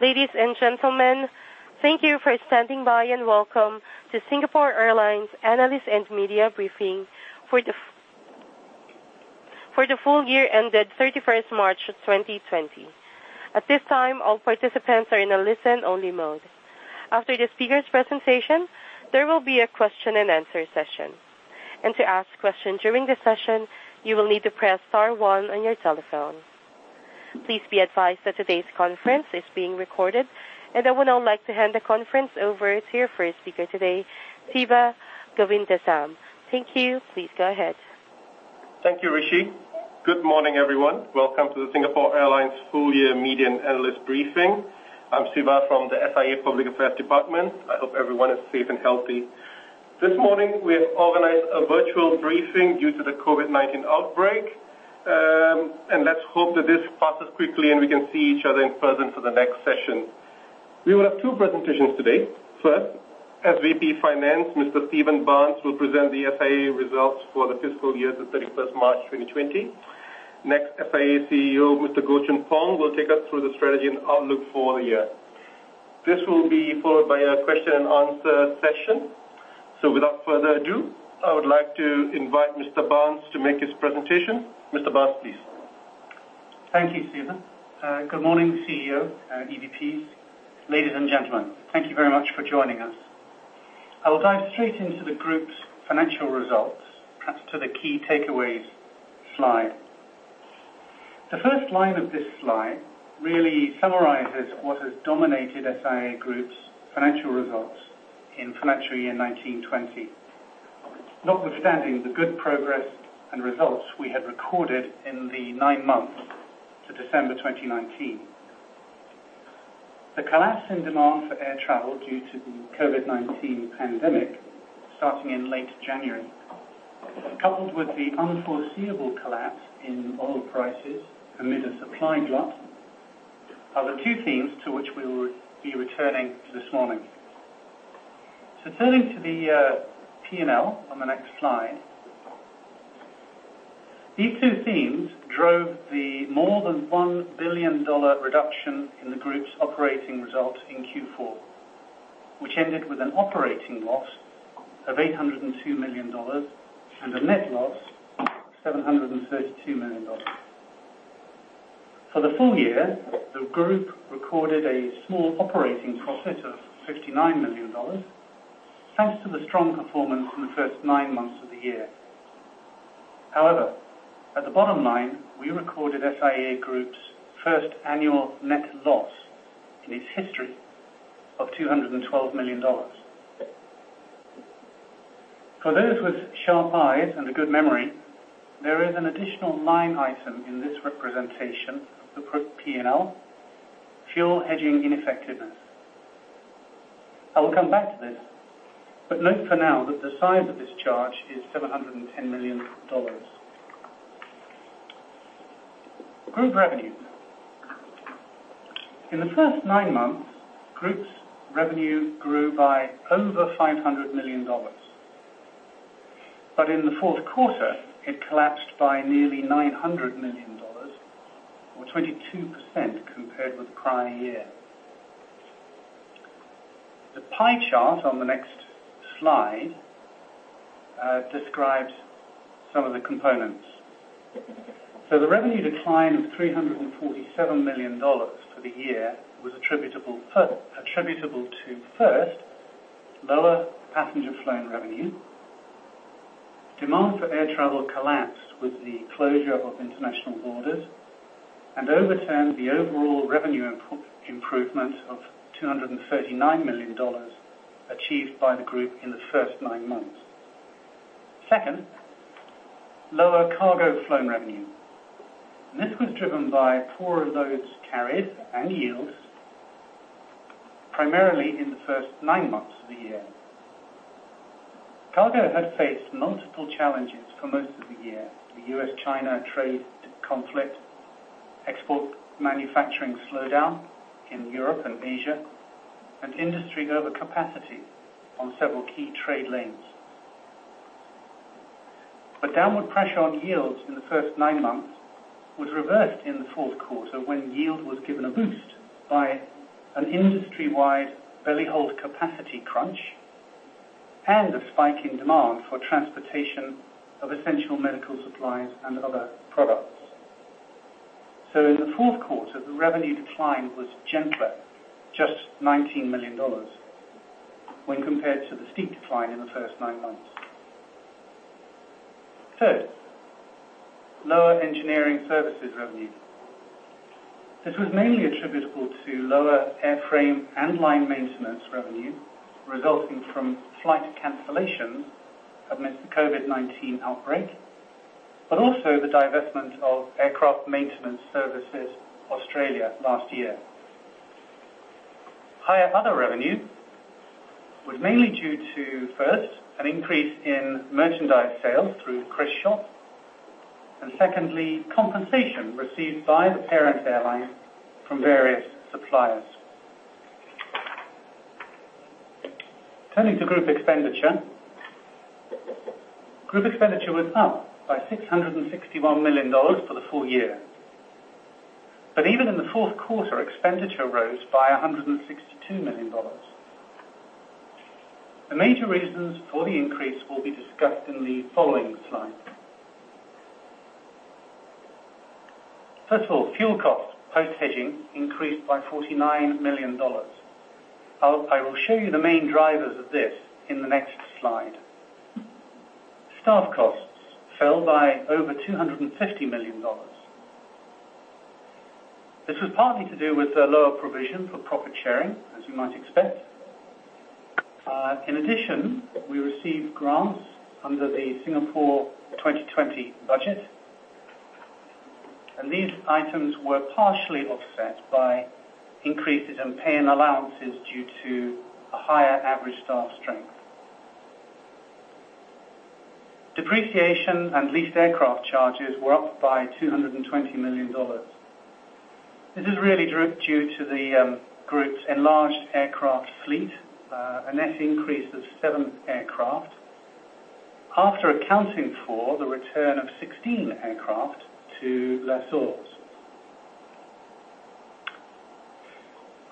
Ladies and gentlemen, thank you for standing by, and welcome to Singapore Airlines Analyst and Media Briefing for the full year ended 31st March 2020. At this time, all participants are in a listen-only mode. After the speakers' presentation, there will be a question and answer session. To ask questions during the session, you will need to press star 1 on your telephone. Please be advised that today's conference is being recorded. I would now like to hand the conference over to your first speaker today, Siva Govindasamy. Thank you. Please go ahead. Thank you, Rishi. Good morning, everyone. Welcome to the Singapore Airlines Full Year Media and Analyst Briefing. I'm Siva from the SIA Public Affairs Department. I hope everyone is safe and healthy. This morning, we have organized a virtual briefing due to the COVID-19 outbreak. Let's hope that this passes quickly, and we can see each other in person for the next session. We will have two presentations today. First, as VP Finance, Mr. Stephen Barnes will present the SIA results for the fiscal year to 31st March 2020. Next, SIA CEO, Mr. Goh Choon Phong, will take us through the strategy and outlook for the year. This will be followed by a question and answer session. Without further ado, I would like to invite Mr. Barnes to make his presentation. Mr. Barnes, please. Thank you, Siva. Good morning, CEO and EVPs. Ladies and gentlemen, thank you very much for joining us. I will dive straight into the group's financial results, perhaps to the key takeaways slide. The first line of this slide really summarizes what has dominated SIA Group's financial results in FY19/20. Notwithstanding the good progress and results we had recorded in the nine months to December 2019. The collapse in demand for air travel due to the COVID-19 pandemic starting in late January, coupled with the unforeseeable collapse in oil prices amid a supply glut, are the two themes to which we will be returning this morning. Turning to the P&L on the next slide. These two themes drove the more than 1 billion dollar reduction in the group's operating result in Q4, which ended with an operating loss of 802 million dollars and a net loss of 732 million dollars. For the full year, the Group recorded a small operating profit of 59 million dollars, thanks to the strong performance in the first nine months of the year. At the bottom line, we recorded SIA Group's first annual net loss in its history of 212 million dollars. For those with sharp eyes and a good memory, there is an additional line item in this representation of the Group P&L, fuel hedging ineffectiveness. I will come back to this. Note for now that the size of this charge is 710 million dollars. Group revenue. In the first nine months, Group's revenue grew by over 500 million dollars. In the fourth quarter, it collapsed by nearly 900 million dollars, or 22% compared with prior year. The pie chart on the next slide describes some of the components. The revenue decline of 347 million dollars for the year was attributable to, first, lower passenger flown revenue. Demand for air travel collapsed with the closure of international borders and overturned the overall revenue improvement of 239 million dollars achieved by the group in the first nine months. Second, lower cargo flown revenue. This was driven by poor loads carried and yields primarily in the first nine months of the year. Cargo has faced multiple challenges for most of the year. The US-China trade conflict, export manufacturing slowdown in Europe and Asia, and industry overcapacity on several key trade lanes. Downward pressure on yields in the first nine months was reversed in the fourth quarter, when yield was given a boost by an industry-wide belly hold capacity crunch and a spike in demand for transportation of essential medical supplies and other products. In the fourth quarter, the revenue decline was gentler, just 19 million dollars, when compared to the steep decline in the first nine months. Third, lower engineering services revenue. This was mainly attributable to lower airframe and line maintenance revenue resulting from flight cancellations amidst the COVID-19 outbreak, but also the divestment of Aircraft Maintenance Services Australia last year. Higher other revenue was mainly due to, first, an increase in merchandise sales through KrisShop, and secondly, compensation received by the parent airline from various suppliers. Turning to group expenditure. Group expenditure was up by 661 million dollars for the full year. Even in the fourth quarter, expenditure rose by 162 million dollars. The major reasons for the increase will be discussed in the following slide. First of all, fuel costs post-hedging increased by 49 million dollars. I will show you the main drivers of this in the next slide. Staff costs fell by over 250 million dollars. This was partly to do with the lower provision for profit sharing, as you might expect. In addition, we received grants under the Singapore Budget 2020, and these items were partially offset by increases in pay and allowances due to a higher average staff strength. Depreciation and leased aircraft charges were up by 220 million dollars. This is really due to the group's enlarged aircraft fleet, a net increase of seven aircraft after accounting for the return of 16 aircraft to lessors.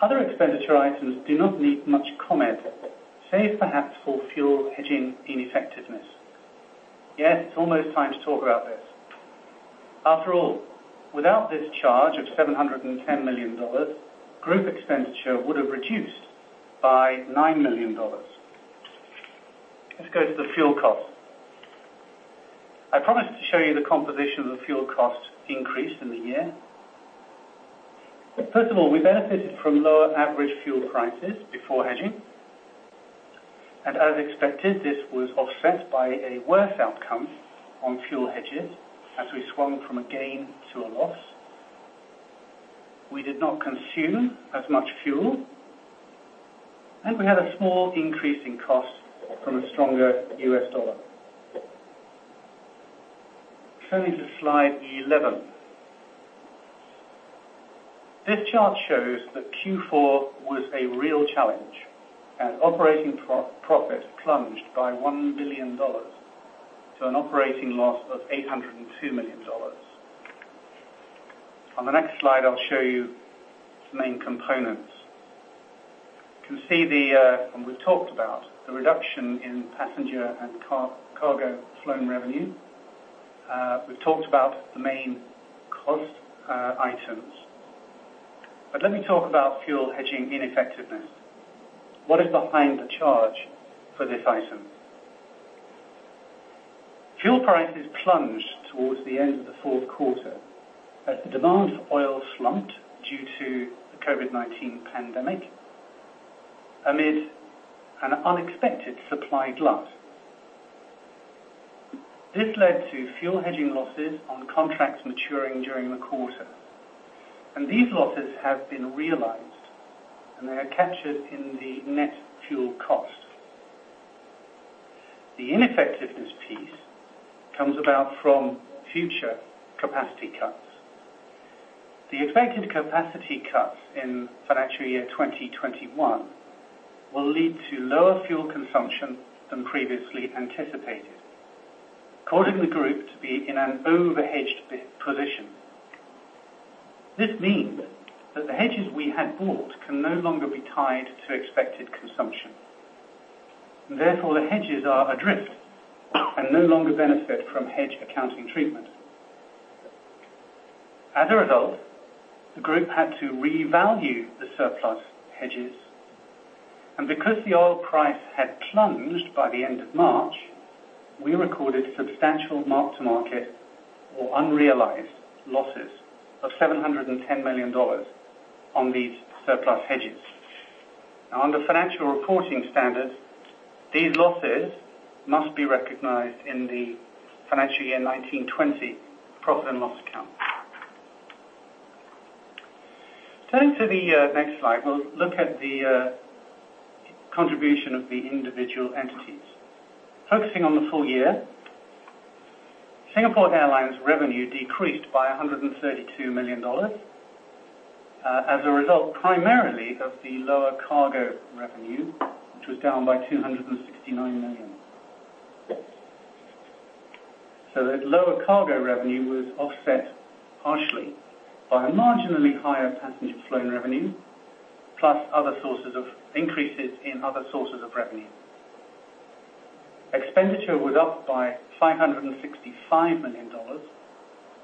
Other expenditure items do not need much comment, save perhaps for fuel hedging ineffectiveness. Yes, it's almost time to talk about this. After all, without this charge of 710 million dollars, group expenditure would have reduced by 9 million dollars. Let's go to the fuel cost. I promised to show you the composition of the fuel cost increase in the year. First of all, we benefited from lower average fuel prices before hedging. As expected, this was offset by a worse outcome on fuel hedges as we swung from a gain to a loss. We did not consume as much fuel, and we had a small increase in cost from a stronger US dollar. Turning to slide 11. This chart shows that Q4 was a real challenge and operating profit plunged by 1 billion dollars, to an operating loss of 802 million dollars. On the next slide, I'll show you its main components. You can see the, and we've talked about, the reduction in passenger and cargo flown revenue. We've talked about the main cost items. Let me talk about fuel hedging ineffectiveness. What is behind the charge for this item? Fuel prices plunged towards the end of the fourth quarter as the demand for oil slumped due to the COVID-19 pandemic amid an unexpected supply glut. These losses have been realized, and they are captured in the net fuel cost. The ineffectiveness piece comes about from future capacity cuts. The expected capacity cuts in financial year 2021 will lead to lower fuel consumption than previously anticipated, causing the group to be in an over-hedged position. This means that the hedges we had bought can no longer be tied to expected consumption. Therefore, the hedges are adrift and no longer benefit from hedge accounting treatment. As a result, the group had to revalue the surplus hedges, because the oil price had plunged by the end of March, we recorded substantial mark-to-market or unrealized losses of 710 million dollars on these surplus hedges. Under financial reporting standards, these losses must be recognized in the financial year 19/20 profit and loss account. Turning to the next slide, we'll look at the contribution of the individual entities. Focusing on the full year, Singapore Airlines revenue decreased by 132 million dollars as a result primarily of the lower cargo revenue, which was down by 269 million. That lower cargo revenue was offset partially by a marginally higher passenger flown revenue, plus other sources of increases in other sources of revenue. Expenditure was up by 565 million dollars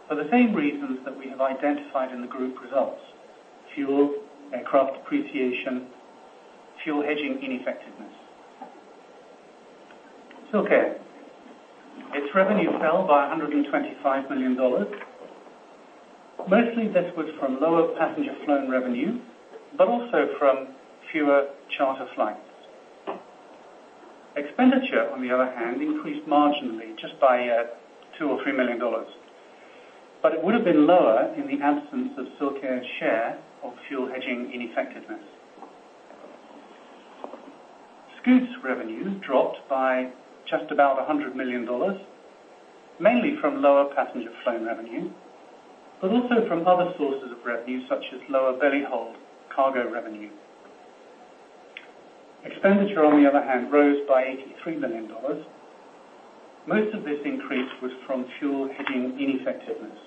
for the same reasons that we have identified in the group results, fuel, aircraft depreciation, fuel hedging ineffectiveness. SilkAir, its revenue fell by 125 million dollars. Mostly this was from lower passenger flown revenue, but also from fewer charter flights. Expenditure, on the other hand, increased marginally just by 2 million or 3 million dollars. It would have been lower in the absence of SilkAir's share of fuel hedging ineffectiveness. Scoot's revenue dropped by just about 100 million dollars. Mainly from lower passenger flown revenue, but also from other sources of revenue, such as lower belly hold cargo revenue. Expenditure, on the other hand, rose by 83 million dollars. Most of this increase was from fuel hedging ineffectiveness.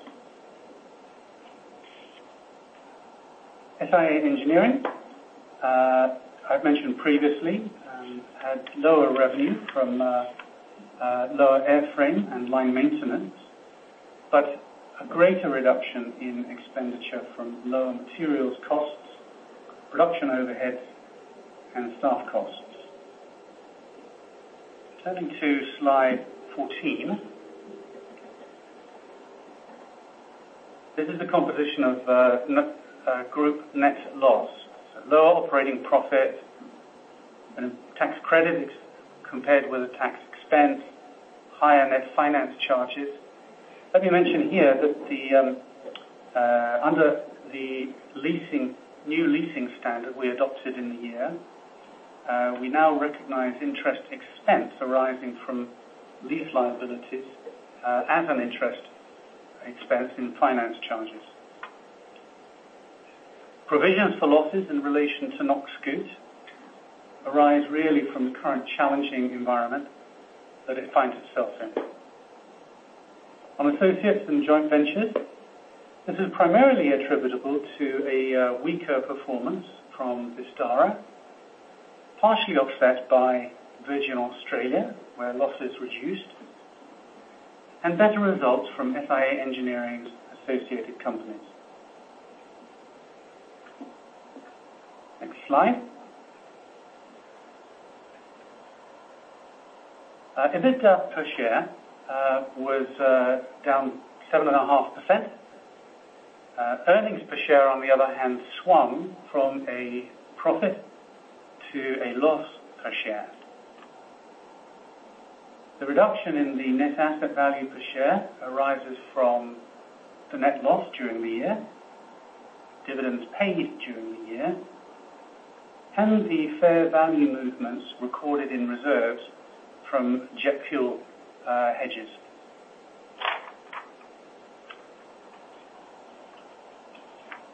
SIA Engineering, I've mentioned previously, had lower revenue from lower airframe and line maintenance, but a greater reduction in expenditure from lower materials costs, production overheads, and staff costs. Turning to slide 14. This is the composition of group net loss. Lower operating profit and tax credit, compared with the tax expense, higher net finance charges. Let me mention here that under the new leasing standard we adopted in the year, we now recognize interest expense arising from lease liabilities as an interest expense in finance charges. Provisions for losses in relation to NokScoot arise really from the current challenging environment that it finds itself in. On associates and joint ventures, this is primarily attributable to a weaker performance from Vistara, partially offset by Virgin Australia, where losses reduced, and better results from SIA Engineering's associated companies. Next slide. Asset per share was down 7.5%. Earnings per share, on the other hand, swung from a profit to a loss per share. The reduction in the net asset value per share arises from the net loss during the year, dividends paid during the year, and the fair value movements recorded in reserves from jet fuel hedges.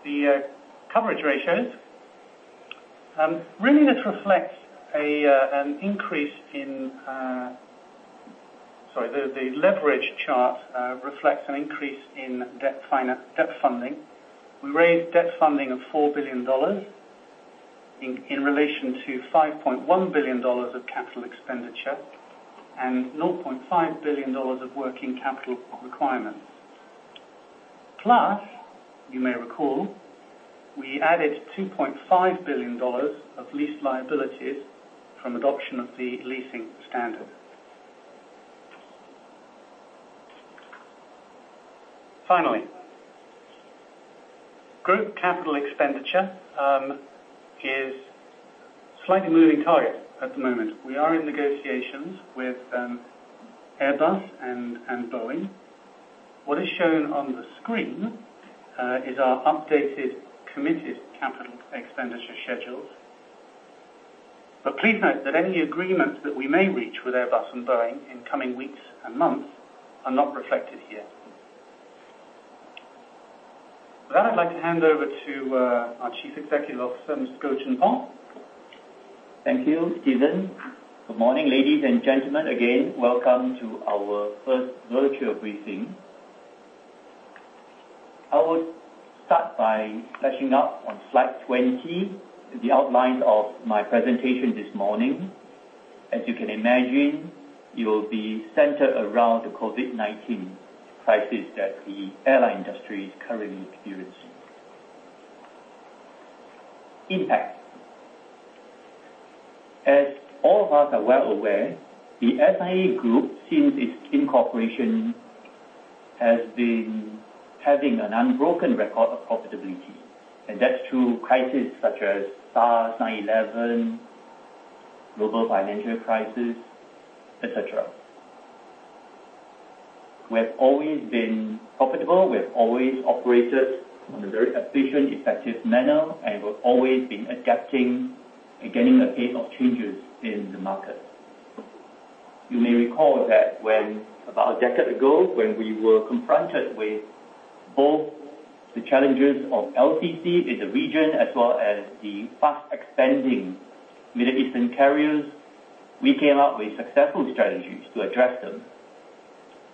The coverage ratios. Really, this reflects an increase in Sorry, the leverage chart reflects an increase in debt funding. We raised debt funding of 4 billion dollars in relation to 5.1 billion dollars of capital expenditure and 0.5 billion dollars of working capital requirements. You may recall, we added 2.5 billion dollars of lease liabilities from adoption of the leasing standard. Finally, group capital expenditure is slightly a moving target at the moment. We are in negotiations with Airbus and Boeing. What is shown on the screen is our updated committed capital expenditure schedules. Please note that any agreements that we may reach with Airbus and Boeing in coming weeks and months are not reflected here. With that, I'd like to hand over to our Chief Executive Officer, Mr. Goh Choon Phong. Thank you, Stephen. Good morning, ladies and gentlemen. Again, welcome to our first virtual briefing. I would start by freshening up on slide 20, the outline of my presentation this morning. As you can imagine, it will be centered around the COVID-19 crisis that the airline industry is currently experiencing. Impact. As all of us are well aware, the SIA Group, since its incorporation, has been having an unbroken record of profitability, and that's through crises such as SARS, 9/11, global financial crisis, et cetera. We have always been profitable, we have always operated in a very efficient, effective manner, and we've always been adapting and getting ahead of changes in the market. You may recall that about a decade ago, when we were confronted with both the challenges of LCC in the region as well as the fast-expanding Middle Eastern carriers, we came up with successful strategies to address them,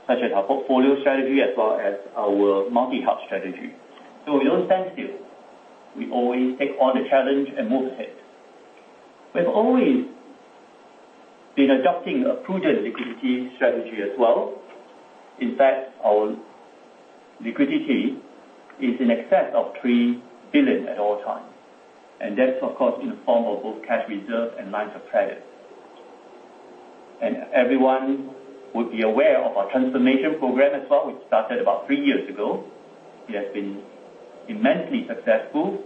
such as our portfolio strategy as well as our multi-hub strategy. We don't stand still. We always take on the challenge and move ahead. We've always been adopting a prudent liquidity strategy as well. In fact, our liquidity is in excess of 3 billion at all times, and that's, of course, in the form of both cash reserve and lines of credit. Everyone would be aware of our transformation program as well, which started about three years ago. We have been immensely successful.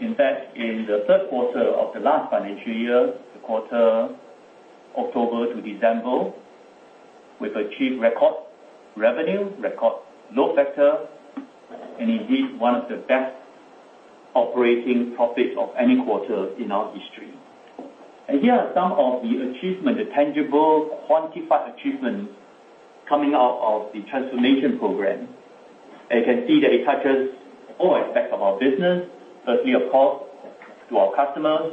In fact, in the third quarter of the last financial year, the quarter October to December, we've achieved record revenue, record load factor, and indeed, one of the best operating profits of any quarter in our history. Here are some of the tangible, quantified achievements coming out of the transformation program. You can see that it touches all aspects of our business. Firstly, of course, to our customers,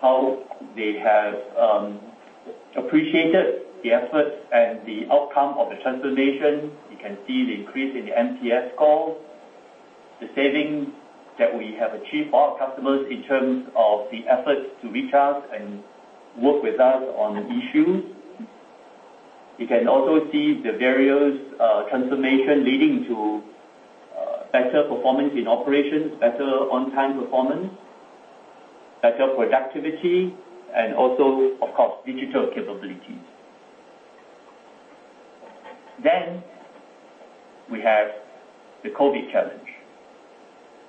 how they have appreciated the effort and the outcome of the transformation. You can see the increase in the NPS score, the savings that we have achieved for our customers in terms of the efforts to reach out and work with us on issues. You can also see the various transformation leading to better performance in operations, better on-time performance, better productivity, and also, of course, digital capabilities. We have the COVID challenge.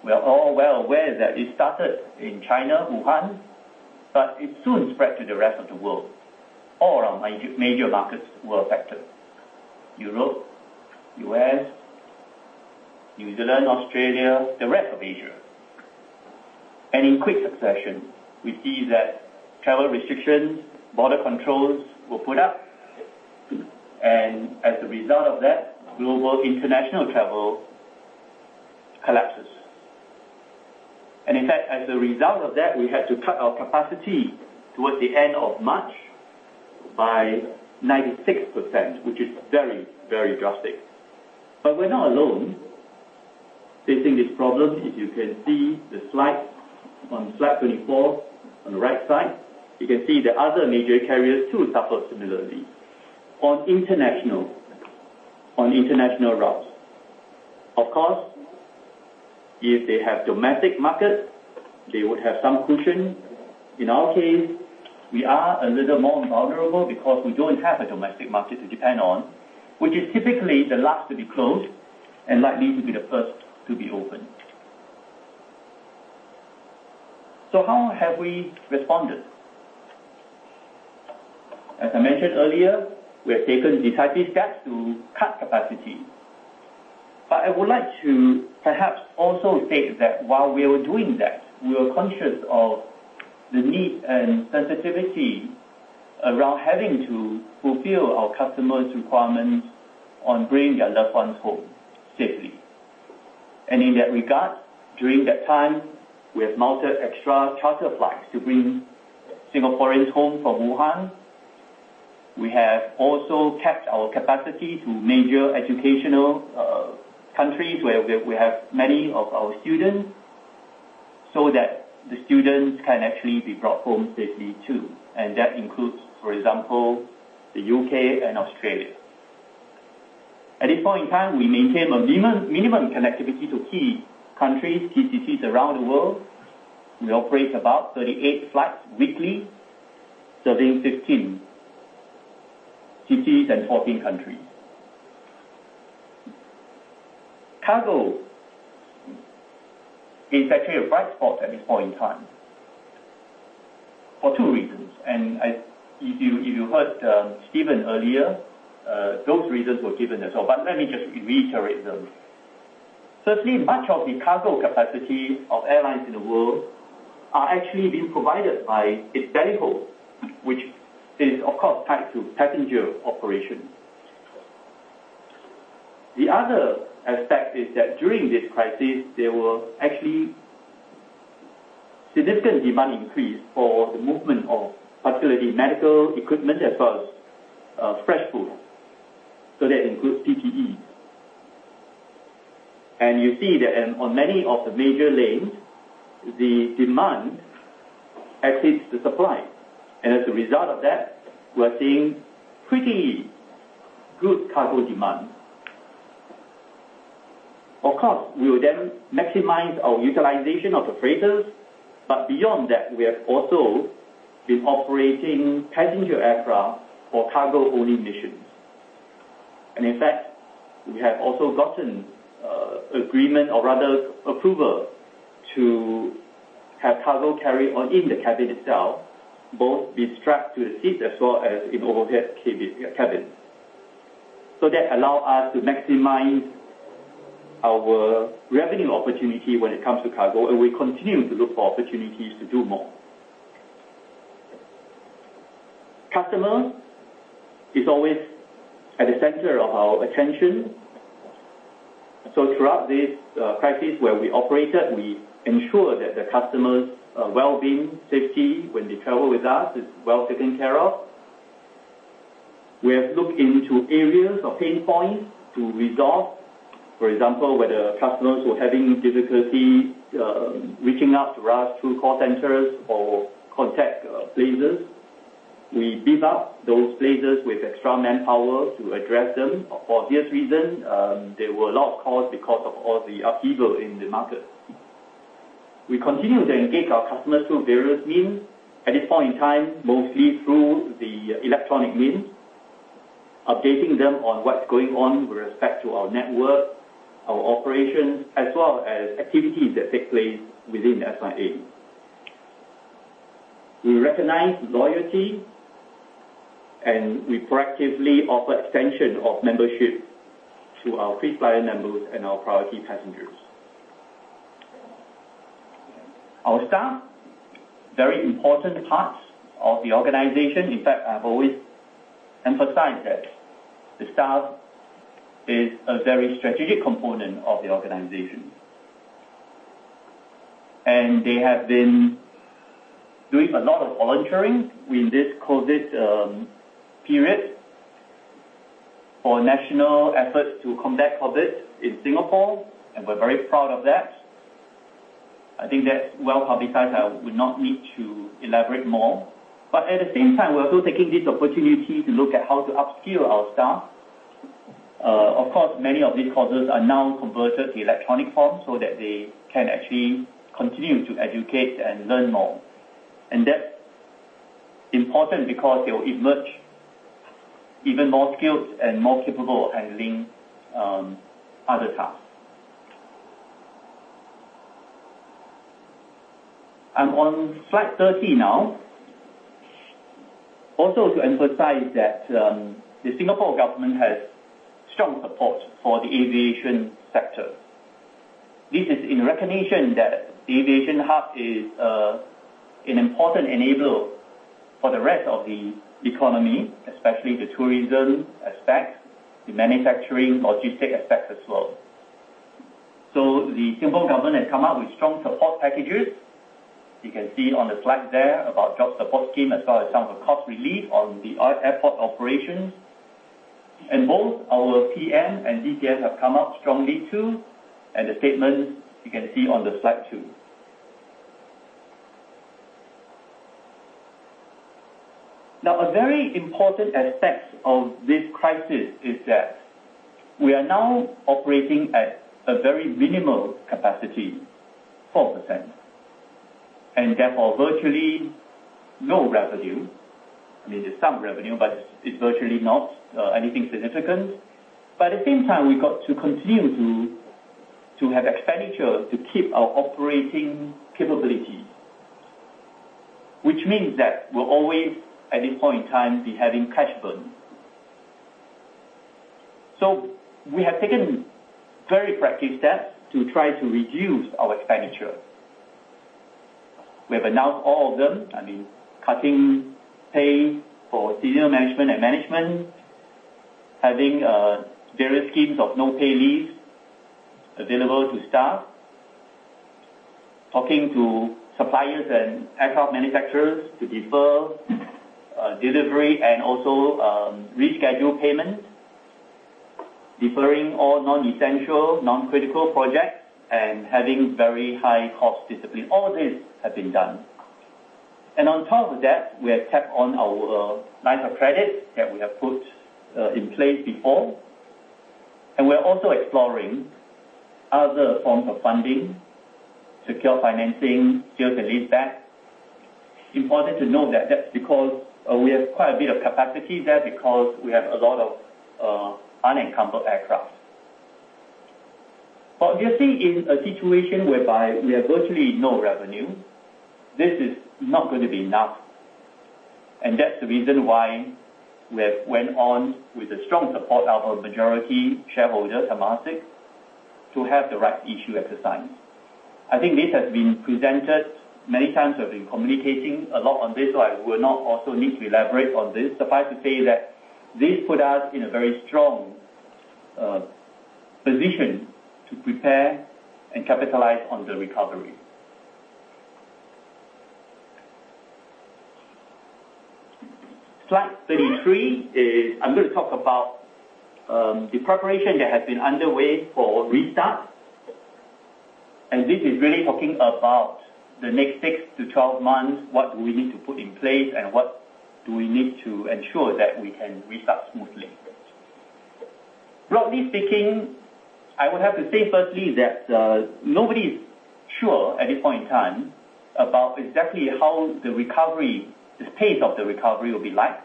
We are all well aware that it started in China, Wuhan, it soon spread to the rest of the world. All our major markets were affected, Europe, U.S., New Zealand, Australia, the rest of Asia. In quick succession, we see that travel restrictions, border controls were put up. As a result of that, global international travel collapses. In fact, as a result of that, we had to cut our capacity towards the end of March by 96%, which is very drastic. We're not alone facing this problem. If you can see the slide, on slide 24 on the right side, you can see the other major carriers too suffered similarly on international routes. Of course, if they have domestic markets, they would have some cushion. In our case, we are a little more vulnerable because we don't have a domestic market to depend on, which is typically the last to be closed and likely to be the first to be opened. How have we responded? As I mentioned earlier, we have taken decisive steps to cut capacity. I would like to perhaps also state that while we were doing that, we were conscious of the need and sensitivity around having to fulfill our customers' requirements on bringing their loved ones home safely. In that regard, during that time, we have mounted extra charter flights to bring Singaporeans home from Wuhan. We have also kept our capacity to major educational countries where we have many of our students, so that the students can actually be brought home safely too. That includes, for example, the U.K. and Australia. At this point in time, we maintain a minimum connectivity to key countries, key cities around the world. We operate about 38 flights weekly, serving 15 cities and 14 countries. Cargo is actually a bright spot at this point in time, for two reasons. If you heard Stephen earlier, those reasons were given as well. Let me just reiterate them. Certainly, much of the cargo capacity of airlines in the world are actually being provided by its belly hold, which is, of course, tied to passenger operations. The other aspect is that during this crisis, there were actually significant demand increase for the movement of particularly medical equipment as well as fresh food. That includes PPE. You see that on many of the major lanes, the demand exceeds the supply. As a result of that, we're seeing pretty good cargo demand. We will maximize our utilization of the freighters. Beyond that, we have also been operating passenger aircraft for cargo-only missions. In fact, we have also gotten agreement, or rather approval, to have cargo carried in the cabin itself, both be strapped to the seat as well as in overhead cabin. That allow us to maximize our revenue opportunity when it comes to cargo, and we continue to look for opportunities to do more. Customer is always at the center of our attention. Throughout this crisis where we operated, we ensure that the customer's well-being, safety when they travel with us is well taken care of. We have looked into areas of pain points to resolve. For example, whether customers were having difficulty reaching out to us through call centers or contact places. We beef up those places with extra manpower to address them. For obvious reasons, there were a lot of calls because of all the upheaval in the market. We continue to engage our customers through various means. At this point in time, mostly through the electronic means, updating them on what's going on with respect to our network, our operations, as well as activities that take place within SIA. We recognize loyalty, and we proactively offer extension of membership to our KrisFlyer members and our priority passengers. Our staff, very important parts of the organization. In fact, I've always emphasized that the staff is a very strategic component of the organization. They have been doing a lot of volunteering with this COVID period for national efforts to combat COVID in Singapore, and we're very proud of that. I think that's well-publicized, I would not need to elaborate more. At the same time, we're also taking this opportunity to look at how to upskill our staff. Of course, many of these courses are now converted to electronic form so that they can actually continue to educate and learn more. That's important because they will emerge even more skilled and more capable of handling other tasks. I'm on slide 30 now. Also to emphasize that the Singapore Government has strong support for the aviation sector. This is in recognition that the aviation hub is an important enabler for the rest of the economy, especially the tourism aspect, the manufacturing, logistic aspect as well. The Singapore Government has come out with strong support packages. You can see on the slide there about Jobs Support Scheme, as well as some of cost relief on the airport operations. Both our PM and DPM have come out strongly too, and the statements you can see on the slide too. Now, a very important aspect of this crisis is that we are now operating at a very minimal capacity, 4%, and therefore virtually no revenue. I mean, there's some revenue, but it's virtually not anything significant. At the same time, we got to continue to have expenditure to keep our operating capability, which means that we're always, at this point in time, be having cash burn. We have taken very practical steps to try to reduce our expenditure. We have announced all of them. I mean, cutting pay for senior management and management, having various schemes of no-pay leave available to staff, talking to suppliers and aircraft manufacturers to defer delivery and also reschedule payments, deferring all non-essential, non-critical projects, and having very high-cost discipline. All of these have been done. On top of that, we have tapped on our line of credit that we have put in place before, and we're also exploring other forms of funding, secure financing, sale-leaseback. Important to know that that's because we have quite a bit of capacity there because we have a lot of unencumbered aircraft. Obviously, in a situation whereby we have virtually no revenue, this is not going to be enough. That's the reason why we have went on with the strong support of our majority shareholder, Temasek, to have the rights issue exercise. I think this has been presented many times, we have been communicating a lot on this. I will not also need to elaborate on this. Suffice to say that this put us in a very strong position to prepare and capitalize on the recovery. Slide 33 is, I'm going to talk about the preparation that has been underway for restart. This is really talking about the next six to 12 months, what do we need to put in place and what do we need to ensure that we can restart smoothly. Broadly speaking, I would have to say, firstly, that nobody is sure at this point in time about exactly how the recovery, the pace of the recovery will be like.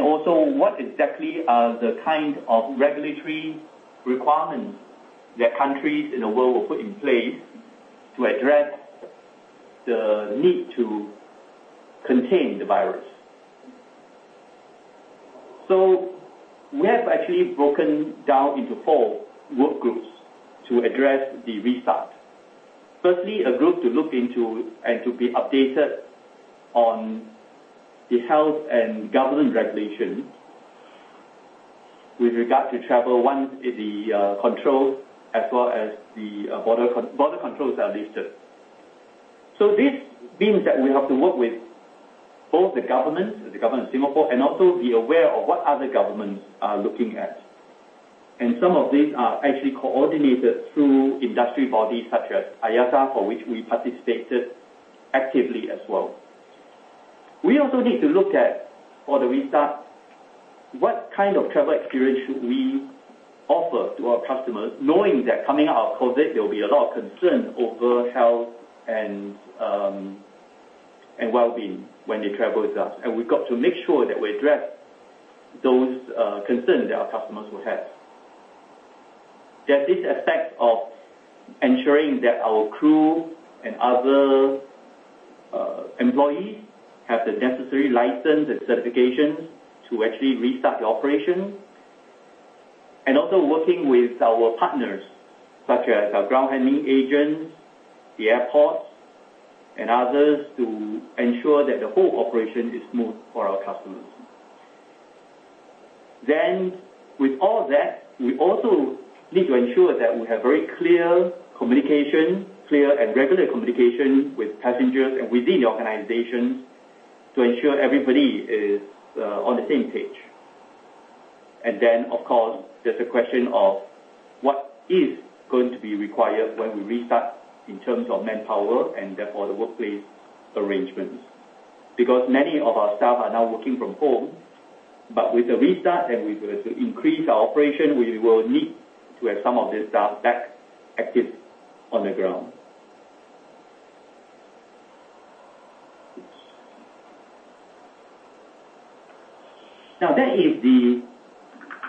Also what exactly are the kind of regulatory requirements that countries in the world will put in place to address the need to contain the virus. We have actually broken down into four work groups to address the restart. A group to look into and to be updated on the health and government regulations with regard to travel, one is the controls as well as the border controls that are listed. This means that we have to work with both the government of Singapore, and also be aware of what other governments are looking at. Some of these are actually coordinated through industry bodies such as IATA, for which we participated actively as well. We also need to look at, for the restart, what kind of travel experience should we offer to our customers, knowing that coming out of COVID, there will be a lot of concern over health and well-being when they travel with us. We've got to make sure that we address those concerns that our customers will have. There's this aspect of ensuring that our crew and other employees have the necessary license and certifications to actually restart the operation, and also working with our partners such as our ground handling agents, the airports, and others to ensure that the whole operation is smooth for our customers. With all that, we also need to ensure that we have very clear communication, clear and regular communication with passengers and within the organization to ensure everybody is on the same page. Of course, there's the question of what is going to be required when we restart in terms of manpower and therefore the workplace arrangements. Because many of our staff are now working from home, but with the restart and we're going to increase our operation, we will need to have some of these staff back active on the ground. That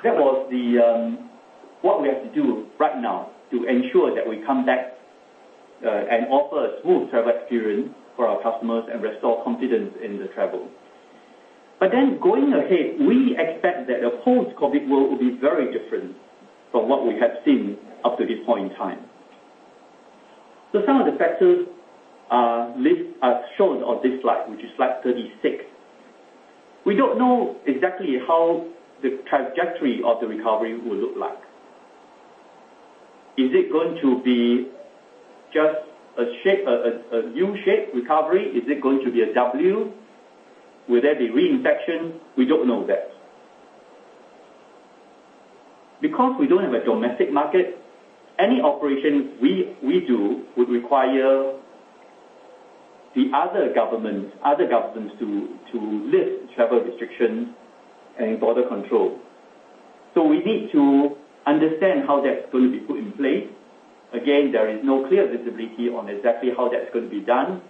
was what we have to do right now to ensure that we come back and offer a smooth travel experience for our customers and restore confidence in travel. Going ahead, we expect that the post-COVID world will be very different from what we have seen up to this point in time. Some of the factors are shown on this slide, which is slide 36. We don't know exactly how the trajectory of the recovery will look like. Is it going to be just a U-shaped recovery? Is it going to be a W? Will there be reinfection? We don't know that. We don't have a domestic market, any operations we do would require the other governments to lift travel restrictions and border control. We need to understand how that's going to be put in place. Again, there is no clear visibility on exactly how that's going to be done.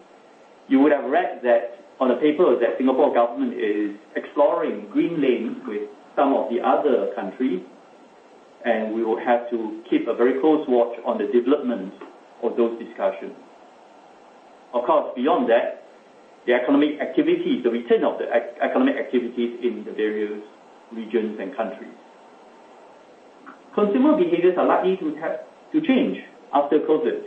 You would have read that on the paper that Singapore government is exploring green lanes with some of the other countries, and we will have to keep a very close watch on the development of those discussions. Of course, beyond that, the return of the economic activities in the various regions and countries. Consumer behaviors are likely to change after COVID.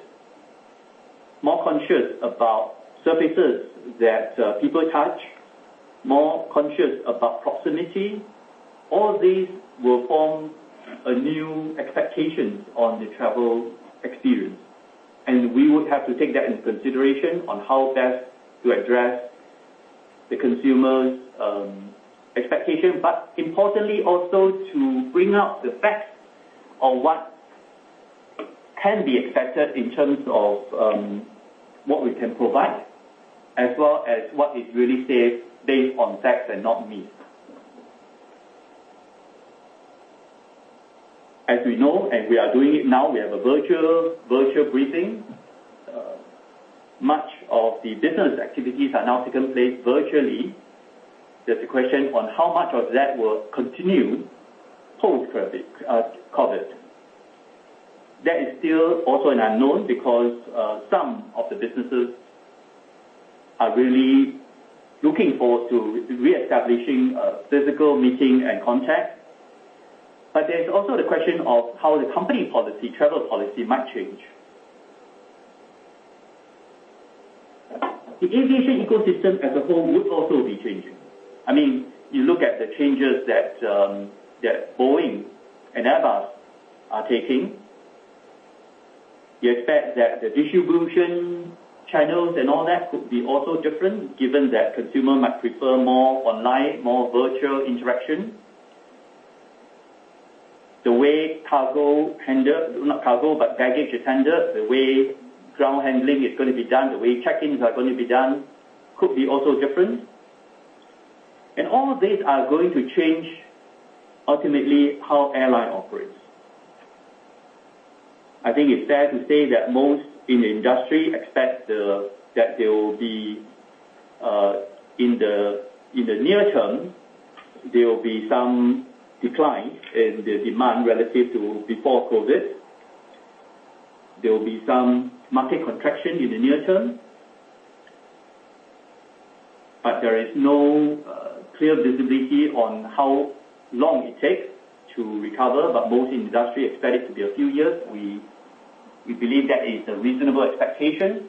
More conscious about surfaces that people touch, more conscious about proximity. All these will form a new expectation on the travel experience. We would have to take that into consideration on how best to address the consumer's expectation, but importantly also to bring out the facts on what can be expected in terms of what we can provide, as well as what is really safe based on facts and not myths. As we know, we are doing it now, we have a virtual briefing. Much of the business activities are now taking place virtually. There's the question on how much of that will continue post-COVID-19. That is still also an unknown because some of the businesses are really looking forward to reestablishing physical meeting and contact. There's also the question of how the company policy, travel policy might change. The aviation ecosystem as a whole would also be changing. You look at the changes that Boeing and Airbus are taking. We expect that the distribution channels and all that could be also different given that consumer might prefer more online, more virtual interaction. The way baggage is handled, the way ground handling is going to be done, the way check-ins are going to be done could be also different. All these are going to change ultimately how airline operates. I think it's fair to say that most in the industry expect that there will be, in the near term, there will be some decline in the demand relative to before COVID. There will be some market contraction in the near term. There is no clear visibility on how long it takes to recover, but most in the industry expect it to be a few years. We believe that is a reasonable expectation.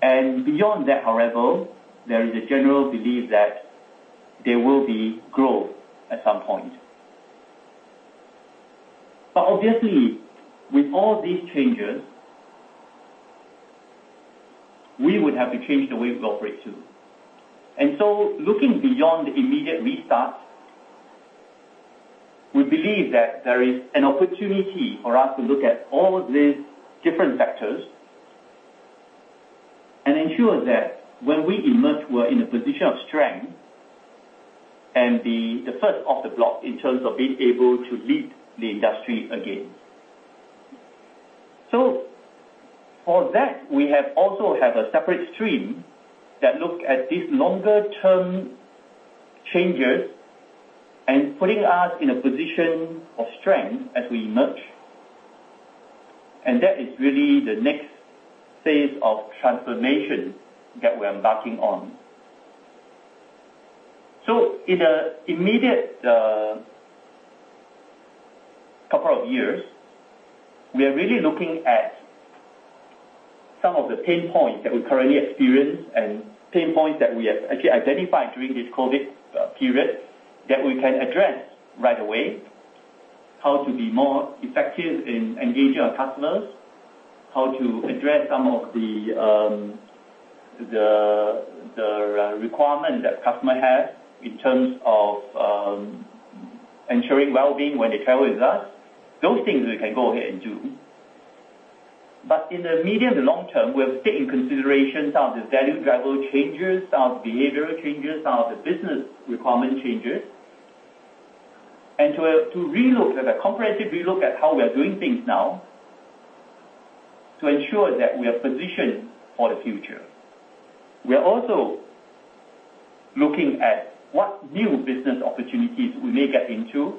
Beyond that, however, there is a general belief that there will be growth at some point. Obviously, with all these changes, we would have to change the way we operate, too. Looking beyond the immediate restart, we believe that there is an opportunity for us to look at all these different factors and ensure that when we emerge, we're in a position of strength and be the first off the block in terms of being able to lead the industry again. For that, we also have a separate stream that looks at these longer term changes and putting us in a position of strength as we emerge. That is really the next phase of transformation that we're embarking on. In the immediate couple of years, we are really looking at some of the pain points that we currently experience and pain points that we have actually identified during this COVID-19 period, that we can address right away, how to be more effective in engaging our customers, how to address some of the requirement that customer has in terms of ensuring wellbeing when they travel with us. Those things we can go ahead and do. In the medium to long term, we have to take in consideration some of the value driver changes, some of the behavioral changes, some of the business requirement changes. To relook, have a comprehensive relook at how we are doing things now to ensure that we are positioned for the future. We are also looking at what new business opportunities we may get into,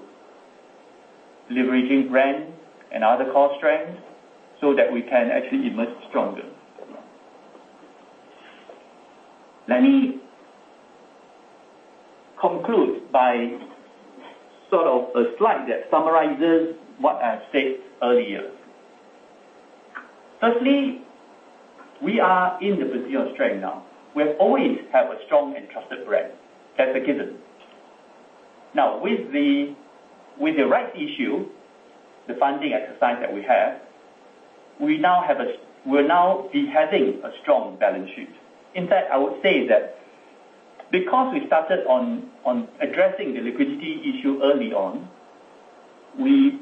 leveraging brands and other core strengths so that we can actually emerge stronger. Let me conclude by sort of a slide that summarizes what I said earlier. Firstly, we are in the position of strength now. We always have a strong and trusted brand. That's a given. Now, with the rights issue, the funding exercise that we have, we'll now be having a strong balance sheet. In fact, I would say that because we started on addressing the liquidity issue early on, we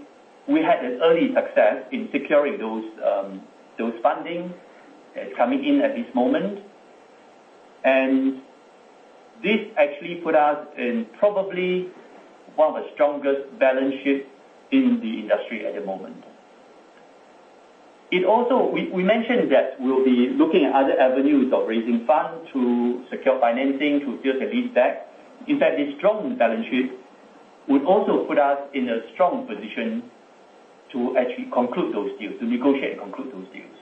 had an early success in securing those funding that is coming in at this moment. This actually put us in probably one of the strongest balance sheets in the industry at the moment. We mentioned that we'll be looking at other avenues of raising funds to secure financing, to build the leaseback. This strong balance sheet would also put us in a strong position to actually conclude those deals, to negotiate and conclude those deals.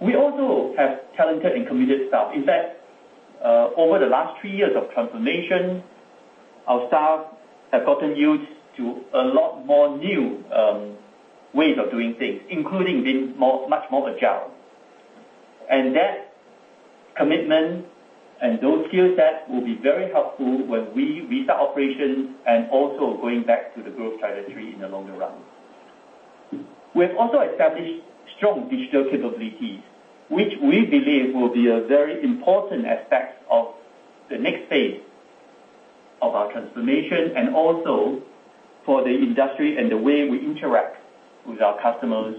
We also have talented and committed staff. Over the last three years of transformation, our staff have gotten used to a lot more new ways of doing things, including being much more agile. That commitment and those skill sets will be very helpful when we restart operations and also going back to the growth trajectory in the longer run. We have also established strong digital capabilities, which we believe will be a very important aspect of the next phase of our transformation and also for the industry and the way we interact with our customers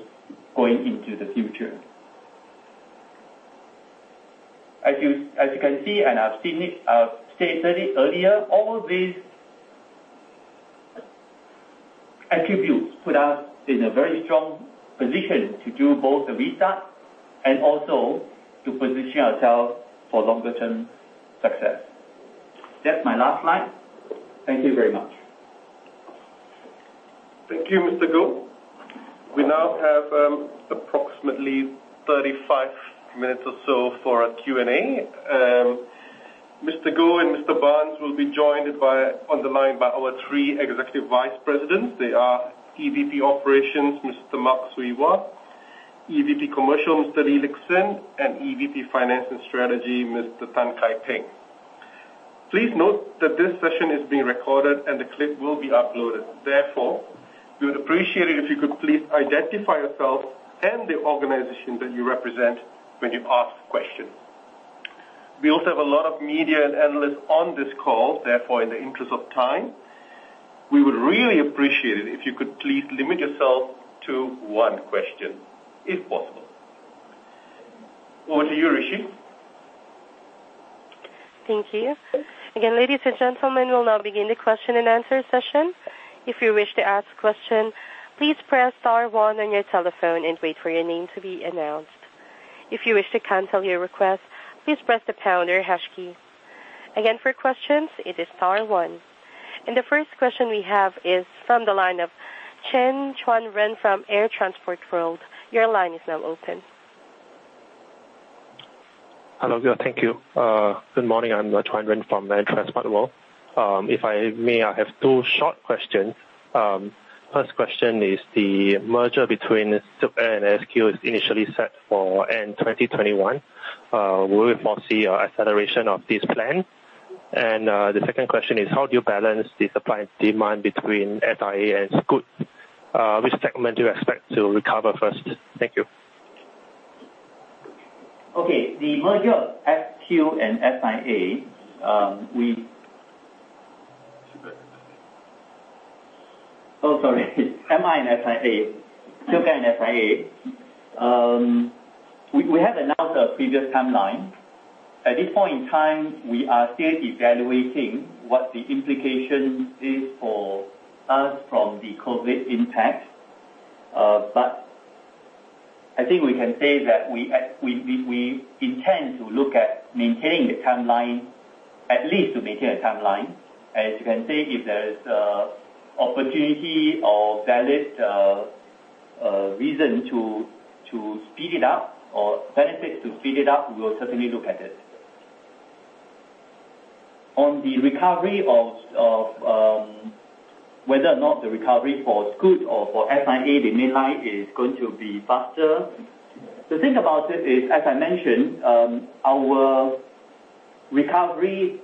going into the future. As you can see, and I've stated it earlier, all these attributes put us in a very strong position to do both the restart and also to positioning ourselves for longer term success. That's my last slide. Thank you very much. Thank you, Mr. Goh. We now have approximately 35 minutes or so for a Q&A. Mr. Goh and Mr. Barnes will be joined on the line by our three executive vice presidents. They are EVP Operations, Mr. Mak Swee Wah, EVP Commercial, Mr. Lee Lik Hsin, and EVP Finance and Strategy, Mr. Tan Kai Peng. Please note that this session is being recorded and the clip will be uploaded. Therefore, we would appreciate it if you could please identify yourself and the organization that you represent when you ask questions. We also have a lot of media and analysts on this call. Therefore, in the interest of time, we would really appreciate it if you could please limit yourself to one question if possible. Over to you, Rishi. Thank you. Again, ladies and gentlemen, we'll now begin the question and answer session. If you wish to ask a question, please press star one on your telephone and wait for your name to be announced. If you wish to cancel your request, please press the pound or hash key. Again, for questions, it is star one. The first question we have is from the line of Chen Chuanren from Air Transport World. Your line is now open. Hello. Thank you. Good morning. I'm Chen Chuanren from Air Transport World. If I may, I have two short questions. First question is the merger between SilkAir and SIA is initially set for end 2021. Will we foresee a acceleration of this plan? The second question is, how do you balance the supply and demand between SIA and Scoot? Which segment do you expect to recover first? Thank you. Okay. The merger of SQ and SIA. SilkAir and SIA. Oh, sorry. SilkAir and SIA. We have announced a previous timeline. At this point in time, we are still evaluating what the implication is for us from the COVID impact. I think we can say that we intend to look at maintaining the timeline, at least to maintain a timeline. As you can see, if there's opportunity or valid reason to speed it up or benefit to speed it up, we will certainly look at it. On the recovery of whether or not the recovery for Scoot or for SIA, the mainline, is going to be faster. The thing about it is, as I mentioned, our recovery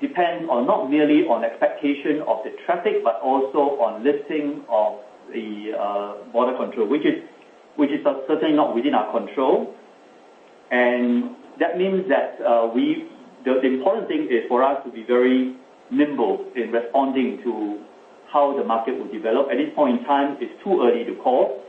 depends on not merely on expectation of the traffic, but also on lifting of the border control, which is certainly not within our control. That means that the important thing is for us to be very nimble in responding to how the market will develop. At this point in time, it's too early to call.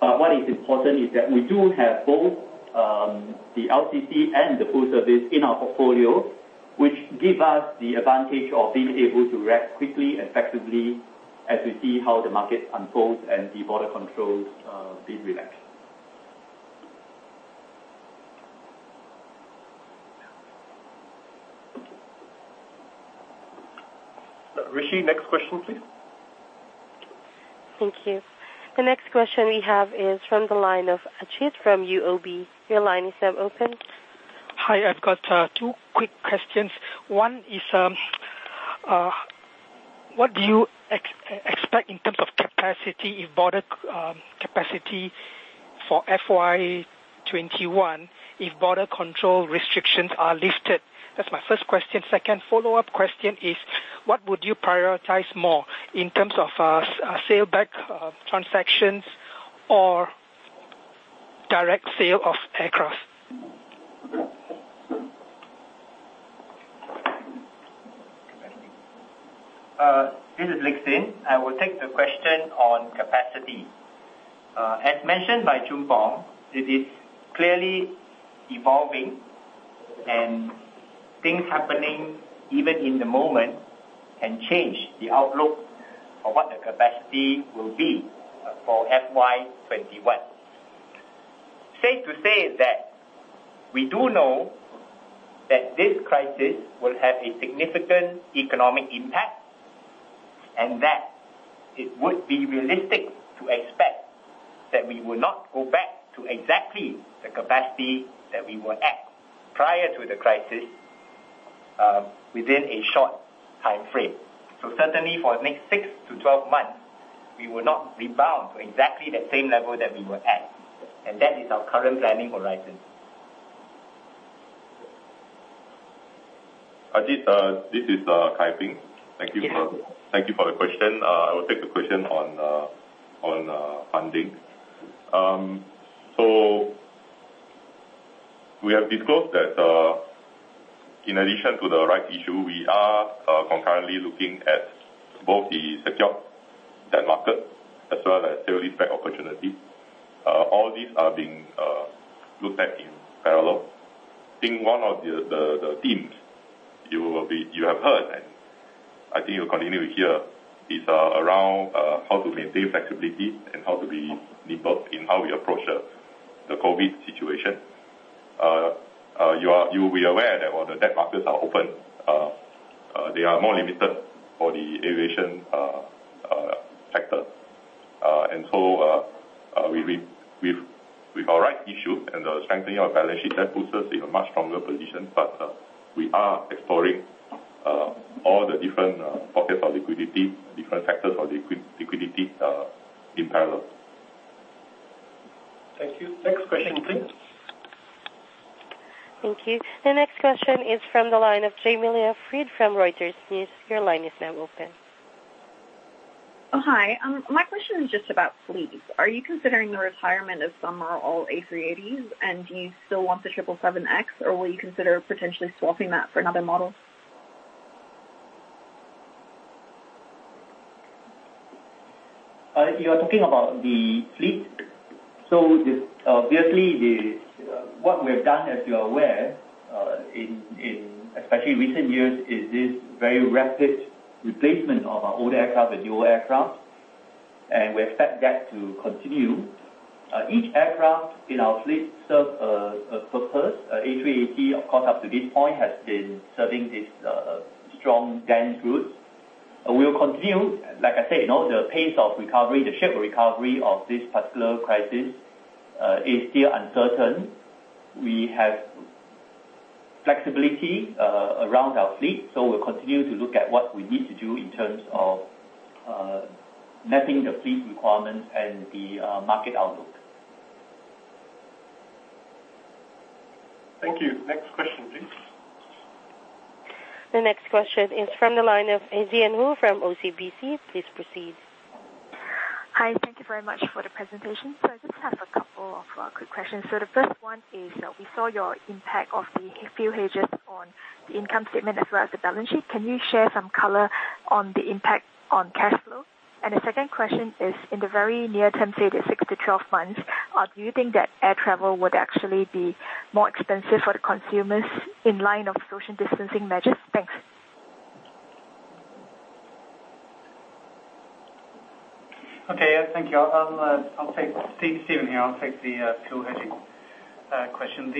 What is important is that we do have both the LCC and the full service in our portfolio, which give us the advantage of being able to react quickly, effectively, as we see how the market unfolds and the border controls being relaxed. Rishi, next question, please. Thank you. The next question we have is from the line of Ajit from UOB. Your line is now open. Hi, I've got two quick questions. One is, what do you expect in terms of capacity, if border capacity for FY 2021, if border control restrictions are lifted? That's my first question. Second follow-up question is, what would you prioritize more in terms of sale-leaseback transactions or direct sale of aircraft? This is Lee Lik Hsin. I will take the question on capacity. As mentioned by Goh Choon Phong, it is clearly evolving, and things happening even in the moment can change the outlook of what the capacity will be for FY 2021. Safe to say is that we do know that this crisis will have a significant economic impact, and that it would be realistic to expect that we will not go back to exactly the capacity that we were at prior to the crisis, within a short time frame. Certainly for the next 6 to 12 months, we will not rebound to exactly the same level that we were at. That is our current planning horizon. Ajit, this is Kai Ping. Yes. Thank you for the question. I will take the question on funding. We have disclosed that in addition to the rights issue, we are concurrently looking at both the secured debt market as well as sale-leaseback opportunities. All these are being looked at in parallel. I think one of the themes you have heard, and I think you'll continue to hear, is around how to maintain flexibility and how to be nimble in how we approach the COVID situation. You will be aware that while the debt markets are open, they are more limited for the aviation sector. With our rights issue and the strengthening of our balance sheet, that puts us in a much stronger position. We are exploring all the different pockets of liquidity, different sectors of liquidity, in parallel. Thank you. Next question, please. Thank you. The next question is from the line of Jamie Leah Freed from Reuters News. Your line is now open. Hi. My question is just about fleet. Are you considering the retirement of some or all A380s? Do you still want the 777X, or will you consider potentially swapping that for another model? You're talking about the fleet. What we've done, as you're aware, in especially recent years, is this very rapid replacement of our older aircraft with newer aircraft. We expect that to continue. Each aircraft in our fleet serves a purpose. A380, of course, up to this point, has been serving these strong dense routes. We'll continue, like I said, the pace of recovery, the shape of recovery of this particular crisis is still uncertain. We have flexibility around our fleet, so we'll continue to look at what we need to do in terms of mapping the fleet requirements and the market outlook. Thank you. Next question, please. The next question is from the line of Ezien Hoo from OCBC. Please proceed. Hi. Thank you very much for the presentation. I just have a couple of quick questions. The first one is, we saw your impact of the fuel hedges on the income statement as well as the balance sheet. Can you share some color on the impact on cash flow? The second question is, in the very near term, say, the six to 12 months, do you think that air travel would actually be more expensive for the consumers in line of social distancing measures? Thanks. Okay. Thank you. It is Stephen here. I will take the fuel hedging question.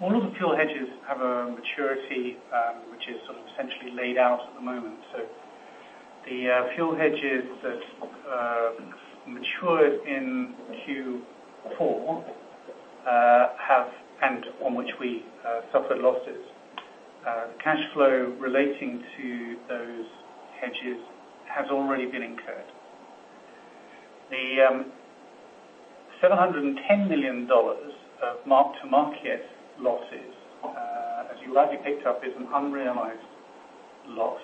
All of the fuel hedges have a maturity, which is sort of essentially laid out at the moment. The fuel hedges that matured in Q4, and on which we suffered losses, cash flow relating to those hedges has already been incurred. The 710 million dollars of mark-to-market losses, as you rightly picked up, is an unrealized loss.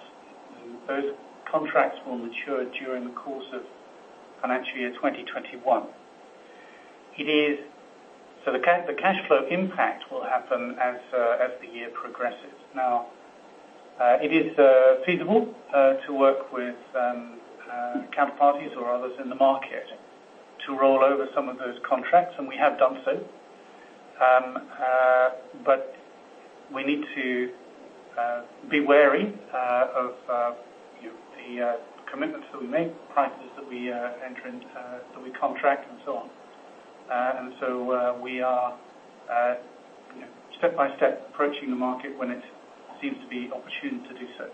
Those contracts will mature during the course of financial year 2021. The cash flow impact will happen as the year progresses. It is feasible to work with counterparties or others in the market to roll over some of those contracts, and we have done so. We need to be wary of the commitments that we make, the prices that we enter into, that we contract, and so on. We are step by step approaching the market when it seems to be opportune to do so.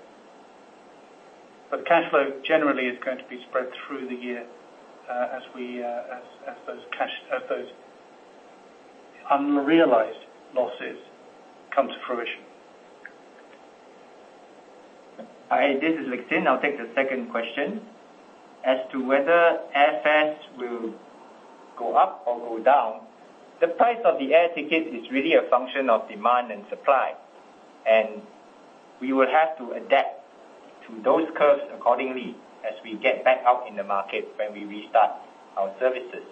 Cash flow generally is going to be spread through the year, as those unrealized losses come to fruition. Hi, this is Lik Hsin. I'll take the second question. As to whether airfares will go up or go down, the price of the air ticket is really a function of demand and supply. We will have to adapt to those curves accordingly as we get back out in the market when we restart our services.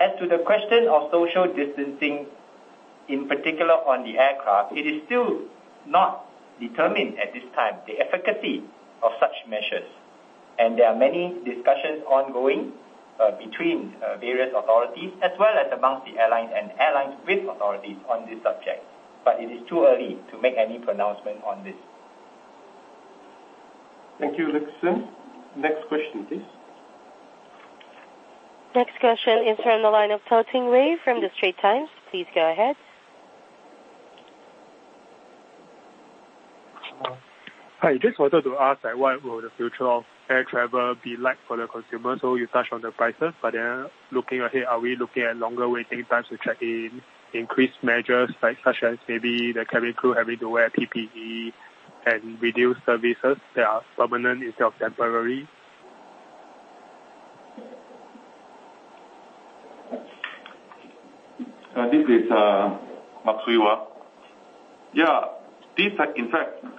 As to the question of social distancing, in particular on the aircraft, it is still not determined at this time, the efficacy of such measures. There are many discussions ongoing between various authorities, as well as amongst the airlines and airlines with authorities on this subject, but it is too early to make any pronouncement on this. Thank you, Lik Hsin. Next question, please. Next question is from the line of Toh Ting Wei from The Straits Times. Please go ahead. Hi. Just wanted to ask, what will the future of air travel be like for the consumer? You touched on the prices, but then are we looking at longer waiting times to check in, increased measures such as maybe the cabin crew having to wear PPE and reduced services that are permanent instead of temporary? This is Mak Swee Wah. Yeah. In fact,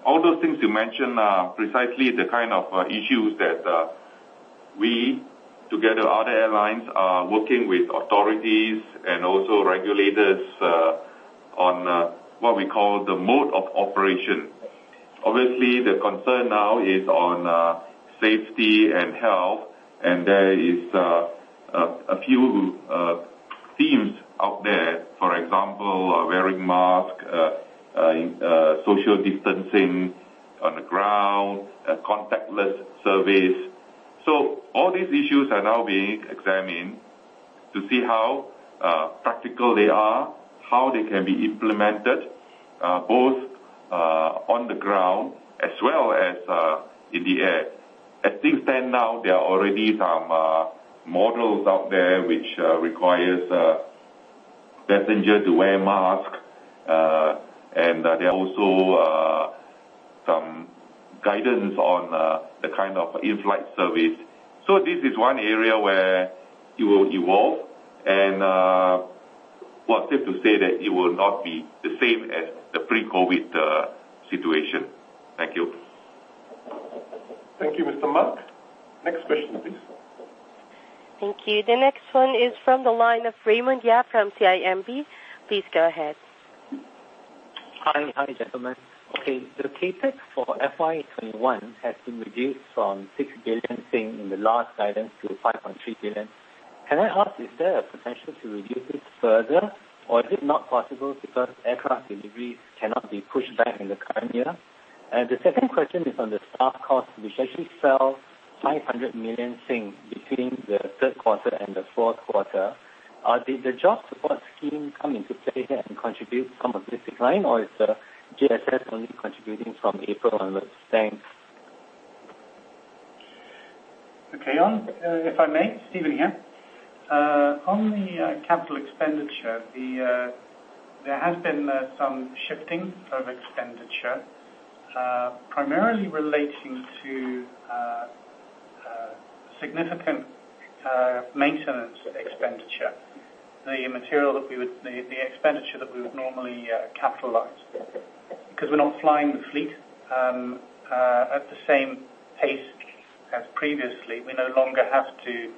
all those things you mentioned are precisely the kind of issues that we, together with other airlines, are working with authorities and also regulators on what we call the mode of operation. Obviously, the concern now is on safety and health, and there is a few themes out there. For example, wearing mask, social distancing on the ground, contactless service. All these issues are now being examined to see how practical they are, how they can be implemented, both on the ground as well as in the air. As things stand now, there are already some models out there which requires a passenger to wear a mask, and there are also some guidance on the kind of in-flight service. This is one area where it will evolve, and, well, safe to say that it will not be the same as the pre-COVID situation. Thank you. Thank you, Mr. Mak. Next question, please. Thank you. The next one is from the line of Raymond Yap from CIMB. Please go ahead. Hi, gentlemen. The CapEx for FY 2021 has been reduced from 6 billion in the last guidance to 5.3 billion. Can I ask, is there a potential to reduce it further, or is it not possible because aircraft deliveries cannot be pushed back in the current year? The second question is on the staff cost, which actually fell 500 million between the third quarter and the fourth quarter. Did the Jobs Support Scheme come into play here and contribute some of this decline, or is the JSS only contributing from April onwards? Thanks. Okay. If I may, Stephen here. On the capital expenditure, there has been some shifting of expenditure, primarily relating to significant maintenance expenditure. The material that we would need, the expenditure that we would normally capitalize. We're not flying the fleet at the same pace as previously, we no longer have to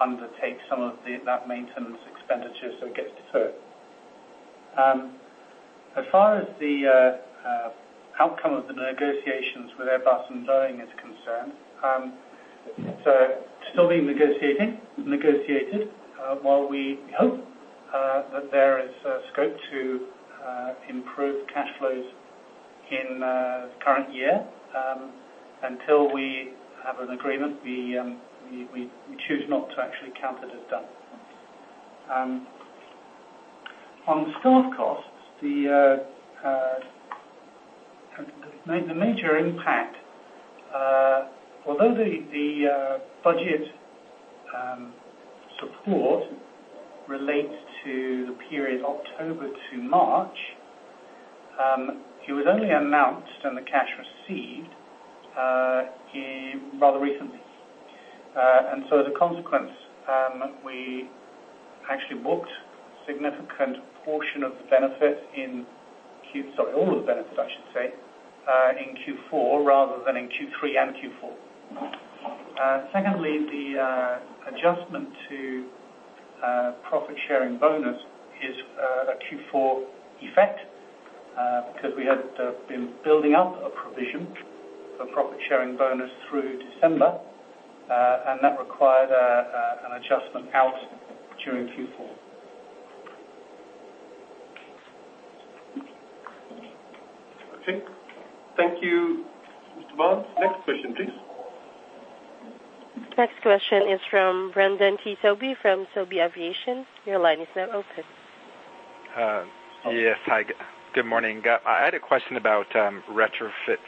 undertake some of that maintenance expenditure, so it gets deferred. As far as the outcome of the negotiations with Airbus and Boeing is concerned, it's still being negotiated. While we hope that there is scope to improve cash flows in the current year, until we have an agreement, we choose not to actually count it as done. On staff costs, the major impact, although the budget support relates to the period October to March, it was only announced and the cash received rather recently. As a consequence, we actually booked all of the benefit, I should say, in Q4, rather than in Q3 and Q4. Secondly, the adjustment to profit-sharing bonus is a Q4 effect, because we had been building up a provision for profit-sharing bonus through December, and that required an adjustment out during Q4. Okay. Thank you, Mr. Barnes. Next question, please. Next question is from Brendan Sobie from Sobie Aviation. Your line is now open. Yes. Hi, good morning. I had a question about retrofits.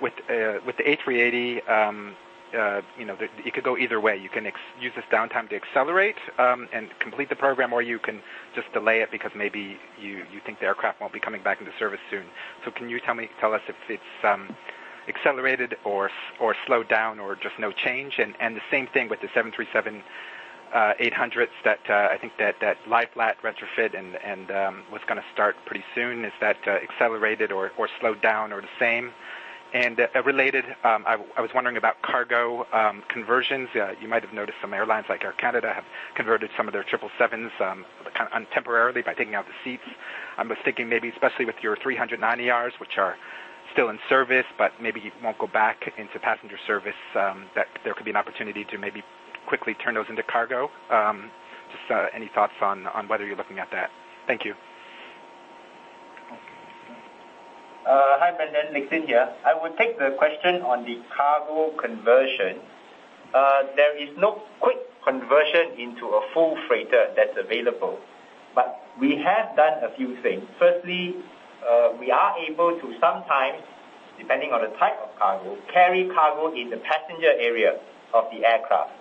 With the A380, it could go either way. You can use this downtime to accelerate and complete the program, or you can just delay it because maybe you think the aircraft won't be coming back into service soon. Can you tell us if it's accelerated or slowed down or just no change? The same thing with the 737-800s that I think that lie-flat retrofit and was going to start pretty soon. Is that accelerated or slowed down or the same? Related, I was wondering about cargo conversions. You might have noticed some airlines, like Air Canada, have converted some of their 777s temporarily by taking out the seats. I was thinking maybe especially with your A380s, which are still in service, but maybe won't go back into passenger service, that there could be an opportunity to maybe quickly turn those into cargo. Just any thoughts on whether you're looking at that? Thank you. Hi, Brendan. Lee Lik Sin here. I would take the question on the cargo conversion. There is no quick conversion into a full freighter that's available, but we have done a few things. Firstly, we are able to sometimes, depending on the type of cargo, carry cargo in the passenger area of the aircraft.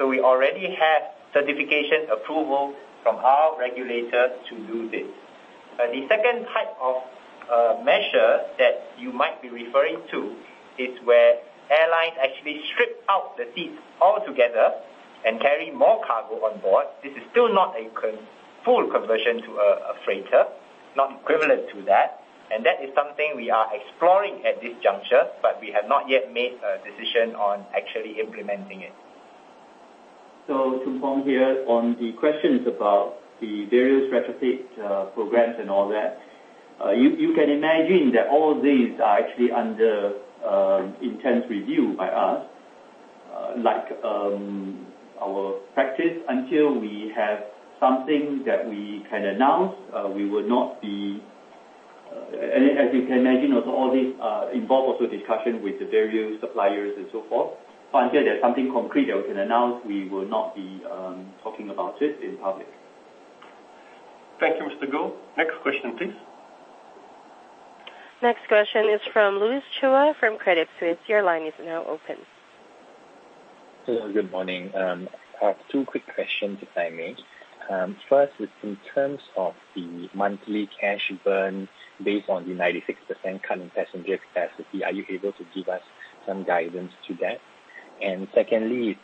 We already have certification approval from our regulators to do this. The second type of measure that you might be referring to is where airlines actually strip out the seats altogether and carry more cargo on board. This is still not a full conversion to a freighter, not equivalent to that. That is something we are exploring at this juncture, but we have not yet made a decision on actually implementing it. Goh Choon Phong here. On the questions about the various retrofit programs and all that, you can imagine that all these are actually under intense review by us. As you can imagine, also all these involve also discussion with the various suppliers and so forth. Like our practice, until we have something that we can announce, until there's something concrete that we can announce, we will not be talking about it in public. Thank you, Mr. Goh. Next question, please. Next question is from Louis Chua from Credit Suisse. Your line is now open. Hello, good morning. I have two quick questions, if I may. First, in terms of the monthly cash burn based on the 96% cut in passenger capacity, are you able to give us some guidance to that? Secondly,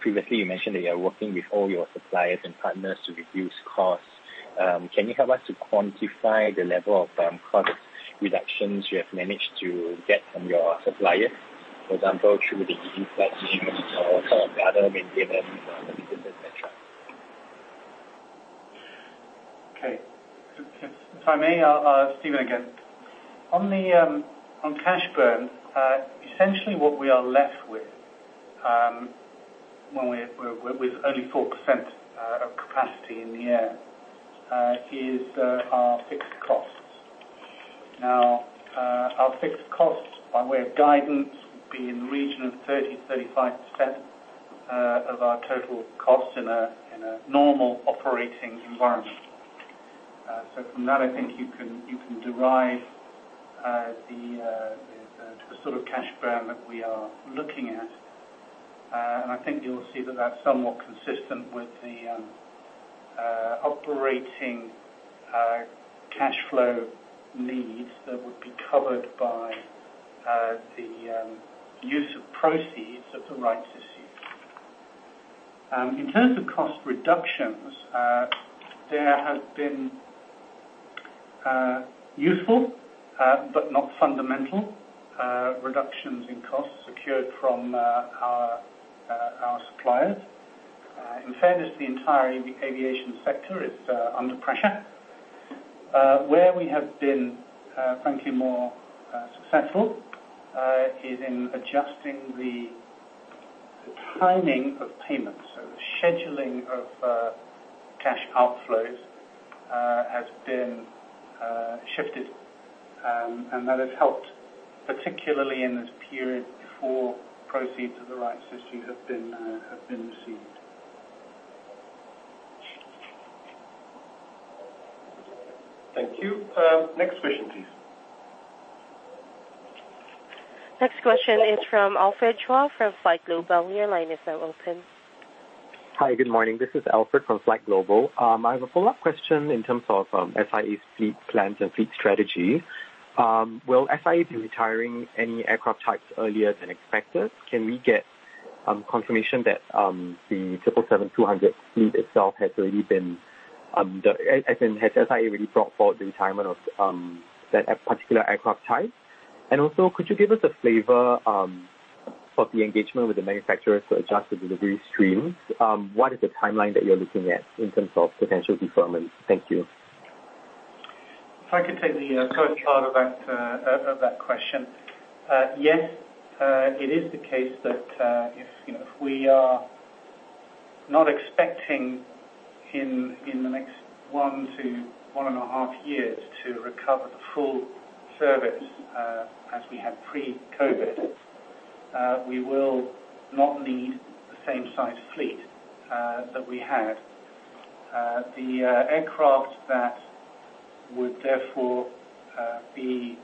previously you mentioned that you are working with all your suppliers and partners to reduce costs. Can you help us to quantify the level of cost reductions you have managed to get from your suppliers? For example, through some of the other maintenance etc. Okay. If I may, Stephen again. On cash burn, essentially what we are left with only 4% of capacity in the air, is our fixed costs. Our fixed costs, by way of guidance, would be in the region of 30%-35% of our total costs in a normal operating environment. From that, I think you can derive the sort of cash burn that we are looking at. I think you'll see that that's somewhat consistent with the operating cash flow needs that would be covered by the use of proceeds of the rights issue. In terms of cost reductions, there have been useful, but not fundamental reductions in costs secured from our suppliers. In fairness, the entire aviation sector is under pressure. Where we have been frankly more successful is in adjusting the timing of payments. The scheduling of cash outflows has been shifted, and that has helped, particularly in this period before proceeds of the rights issue have been received. Thank you. Next question, please. Next question is from Alfred Chua from FlightGlobal. Your line is now open. Hi, good morning. This is Alfred from FlightGlobal. I have a follow-up question in terms of SIA's fleet plans and fleet strategy. Will SIA be retiring any aircraft types earlier than expected? Can we get confirmation that the Boeing 777-200 fleet itself has SIA already brought forward the retirement of that particular aircraft type? Also, could you give us a flavor of the engagement with the manufacturers to adjust the delivery streams? What is the timeline that you're looking at in terms of potential deferment? Thank you. If I could take the first part of that question. Yes, it is the case that if we are not expecting in the next one to one and a half years to recover the full service as we had pre-COVID, we will not need the same size fleet that we had. The aircraft that would therefore be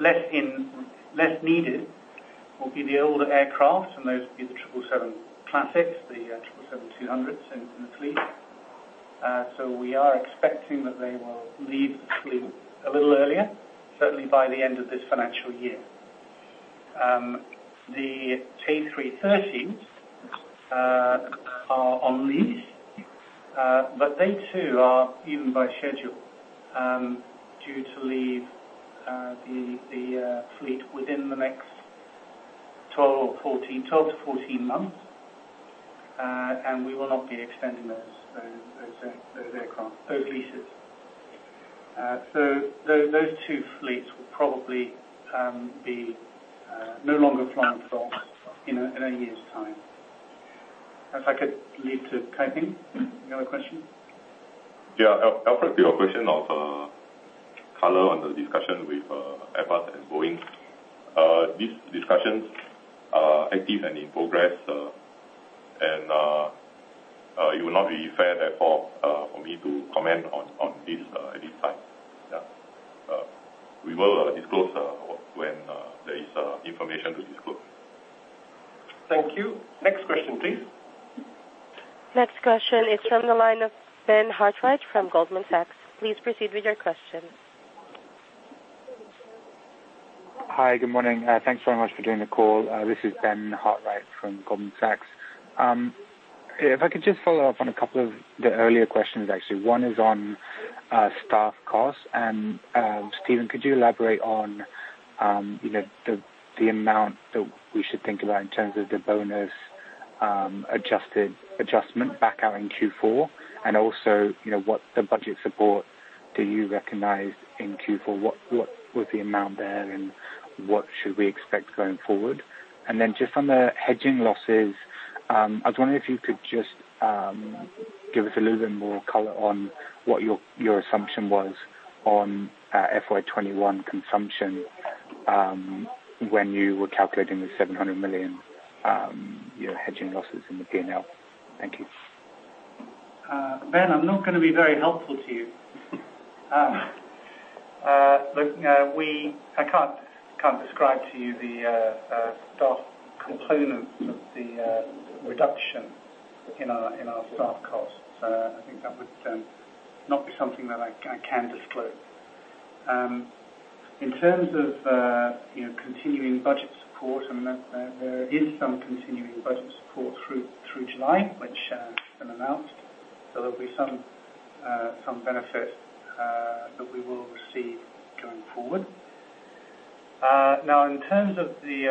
less needed will be the older aircraft, and those will be the 777 Classics, the 777-200s in the fleet. We are expecting that they will leave the fleet a little earlier, certainly by the end of this financial year. The A330s are on lease, but they too are, even by schedule, due to leave the fleet within the next 12 to 14 months, and we will not be extending those aircraft leases. Those two fleets will probably be no longer flying in a year's time. If I could leave to Kai Peng. You have a question? Yeah. Alfred, your question of color on the discussion with Airbus and Boeing. These discussions are active and in progress, and it will not be fair therefore for me to comment on this at this time. Yeah. We will disclose when there is information to disclose. Thank you. Next question, please. Next question is from the line of Ben Hartwright from Goldman Sachs. Please proceed with your question. Hi, good morning. Thanks very much for doing the call. This is Ben Hartwright from Goldman Sachs. If I could just follow up on a couple of the earlier questions, actually. One is on staff costs. Stephen, could you elaborate on the amount that we should think about in terms of the bonus adjustment back out in Q4? Also, what budget support do you recognize in Q4? What was the amount there, and what should we expect going forward? Just on the hedging losses, I was wondering if you could just give us a little bit more color on what your assumption was on FY 2021 consumption when you were calculating the 700 million hedging losses in the P&L. Thank you. Ben, I'm not going to be very helpful to you. Look, I can't describe to you the staff component of the reduction in our staff costs. I think that would not be something that I can disclose. In terms of continuing budget support, there is some continuing budget support through July, which has been announced. There'll be some benefit that we will receive going forward. In terms of the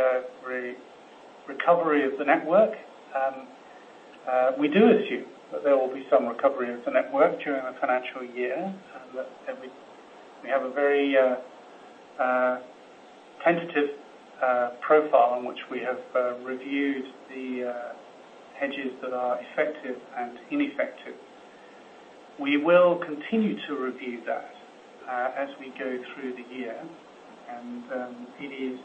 recovery of the network, we do assume that there will be some recovery of the network during the financial year. We have a very tentative profile on which we have reviewed the hedges that are effective and ineffective. We will continue to review that as we go through the year, and it is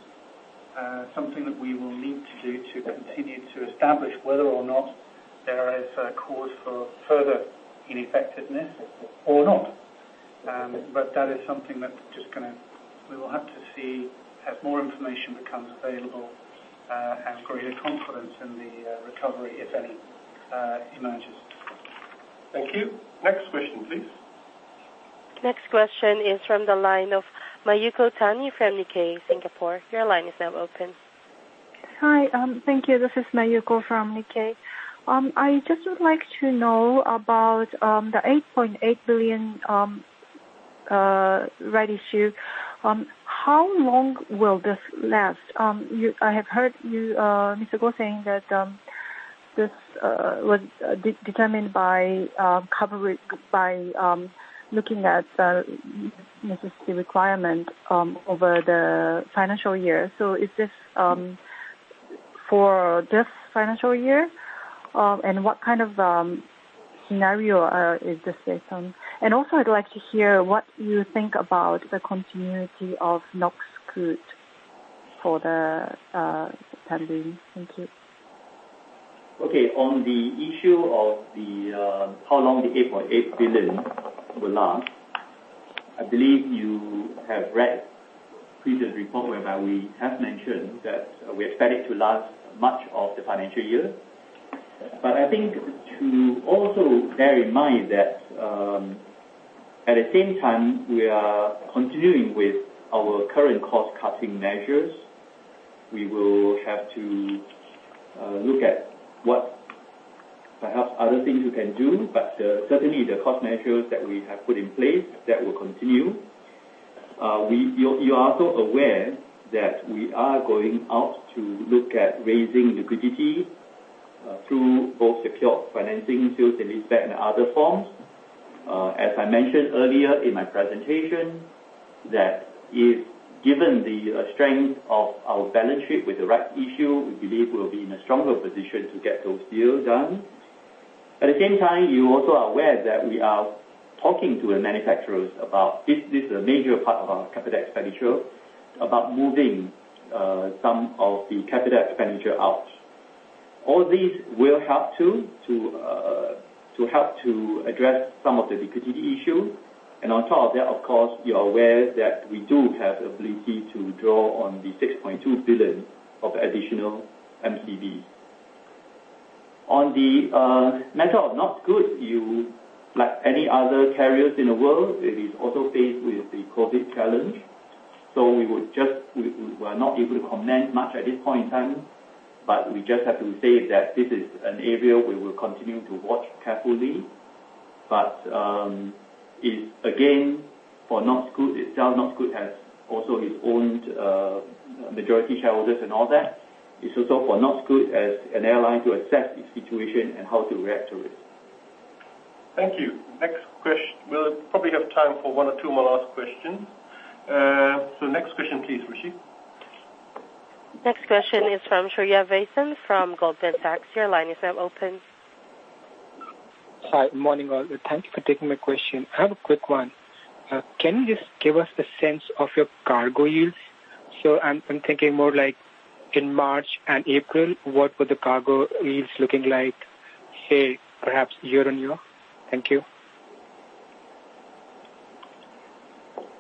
something that we will need to do to continue to establish whether or not there is cause for further ineffectiveness or not. That is something that we will have to see as more information becomes available, and greater confidence in the recovery, if any, emerges. Thank you. Next question, please. Next question is from the line of Mayuko Tani from Nikkei Singapore. Your line is now open. Hi. Thank you. This is Mayuko from Nikkei. I just would like to know about the 8.8 billion rights issue. How long will this last? I have heard you, Mr. Goh, saying that this was determined by looking at the necessity requirement over the financial year. Is this for this financial year? What kind of scenario is this based on? Also, I'd like to hear what you think about the continuity of NokScoot for the time being. Thank you. Okay. On the issue of how long the 8.8 billion will last, I believe you have read previous report whereby we have mentioned that we expect it to last much of the financial year. I think to also bear in mind that, at the same time, we are continuing with our current cost-cutting measures. We will have to look at what perhaps other things we can do. Certainly, the cost measures that we have put in place, that will continue. You are also aware that we are going out to look at raising liquidity through both secure financing deals and lease-back and other forms. As I mentioned earlier in my presentation, that if given the strength of our balance sheet with the rights issue, we believe we'll be in a stronger position to get those deals done. At the same time, you're also aware that we are talking to the manufacturers about this major part of our CapEx expenditure, about moving some of the CapEx expenditure out. All these will help to address some of the liquidity issue. On top of that, of course, you are aware that we do have ability to draw on the 6.2 billion of additional MCB. On the matter of NokScoot, like any other carriers in the world, it is also faced with the COVID challenge. We're not able to comment much at this point in time, but we just have to say that this is an area we will continue to watch carefully. Again, for NokScoot, it's down, NokScoot has also its owned majority shareholders and all that. It's also for NokScoot, as an airline, to assess its situation and how to react to it. Thank you. Next question. We'll probably have time for one or two more last questions. Next question please, Rushi. Next question is from Shaurya Visen from Goldman Sachs. Your line is now open. Hi. Morning, all. Thank you for taking my question. I have a quick one. Can you just give us a sense of your cargo yields? So I'm thinking more like in March and April, what were the cargo yields looking like, say perhaps year on year? Thank you.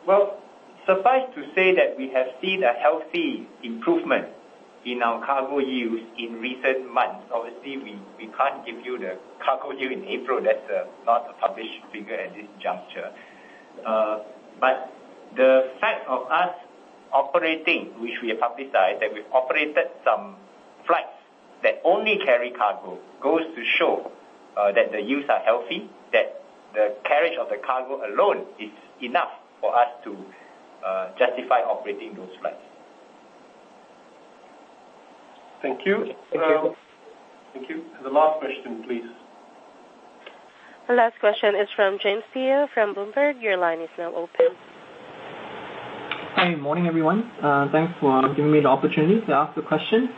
Well, suffice to say that we have seen a healthy improvement in our cargo yields in recent months. We can't give you the cargo yield in April. That's not a published figure at this juncture. The fact of us operating, which we have publicized, that we've operated some flights that only carry cargo, goes to show that the yields are healthy, that the carriage of the cargo alone is enough for us to justify operating those flights. Thank you. Thank you. Thank you. The last question, please. The last question is from James Teo from Bloomberg. Your line is now open. Hi. Morning, everyone. Thanks for giving me the opportunity to ask a question.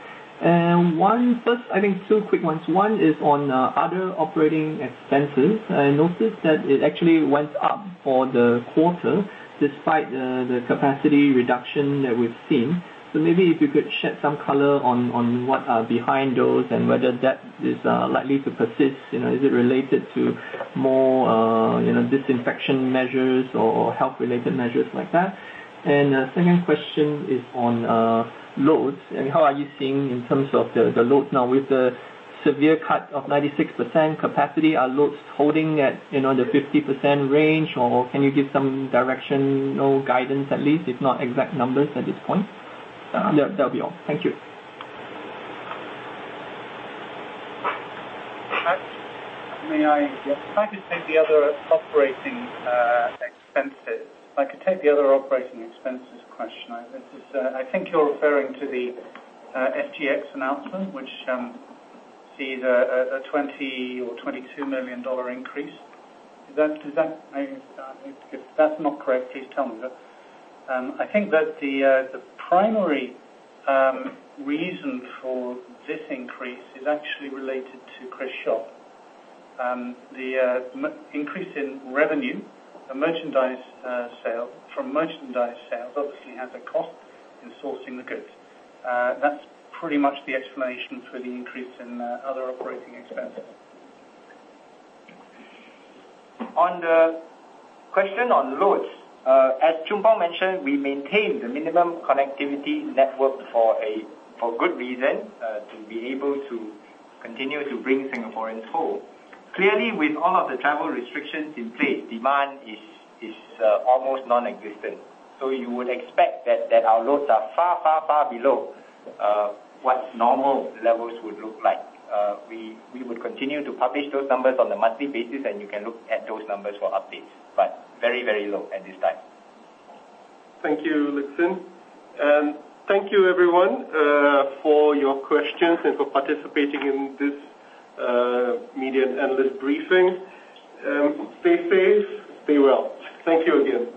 One first, I think two quick ones. One is on other operating expenses. I noticed that it actually went up for the quarter despite the capacity reduction that we've seen. Maybe if you could shed some color on what are behind those and whether that is likely to persist. Is it related to more disinfection measures or health-related measures like that? Second question is on loads, and how are you seeing in terms of the load now with the severe cut of 96% capacity? Are loads holding at the 50% range, or can you give some directional guidance at least, if not exact numbers at this point? That'd be all. Thank you. If I could take the other operating expenses question. I think you're referring to the SGX announcement, which sees a 20 million or 22 million dollar increase. If that's not correct, please tell me. I think that the primary reason for this increase is actually related to KrisShop. The increase in revenue from merchandise sales obviously has a cost in sourcing the goods. That's pretty much the explanation for the increase in other operating expenses. On the question on loads, as Choon Phong mentioned, we maintain the minimum connectivity network for good reason, to be able to continue to bring Singaporeans home. Clearly, with all of the travel restrictions in place, demand is almost nonexistent. You would expect that our loads are far, far, far below what normal levels would look like. We would continue to publish those numbers on a monthly basis, and you can look at those numbers for updates, but very, very low at this time. Thank you, Lee Lik Hsin. Thank you, everyone, for your questions and for participating in this media and analyst briefing. Stay safe, be well. Thank you again.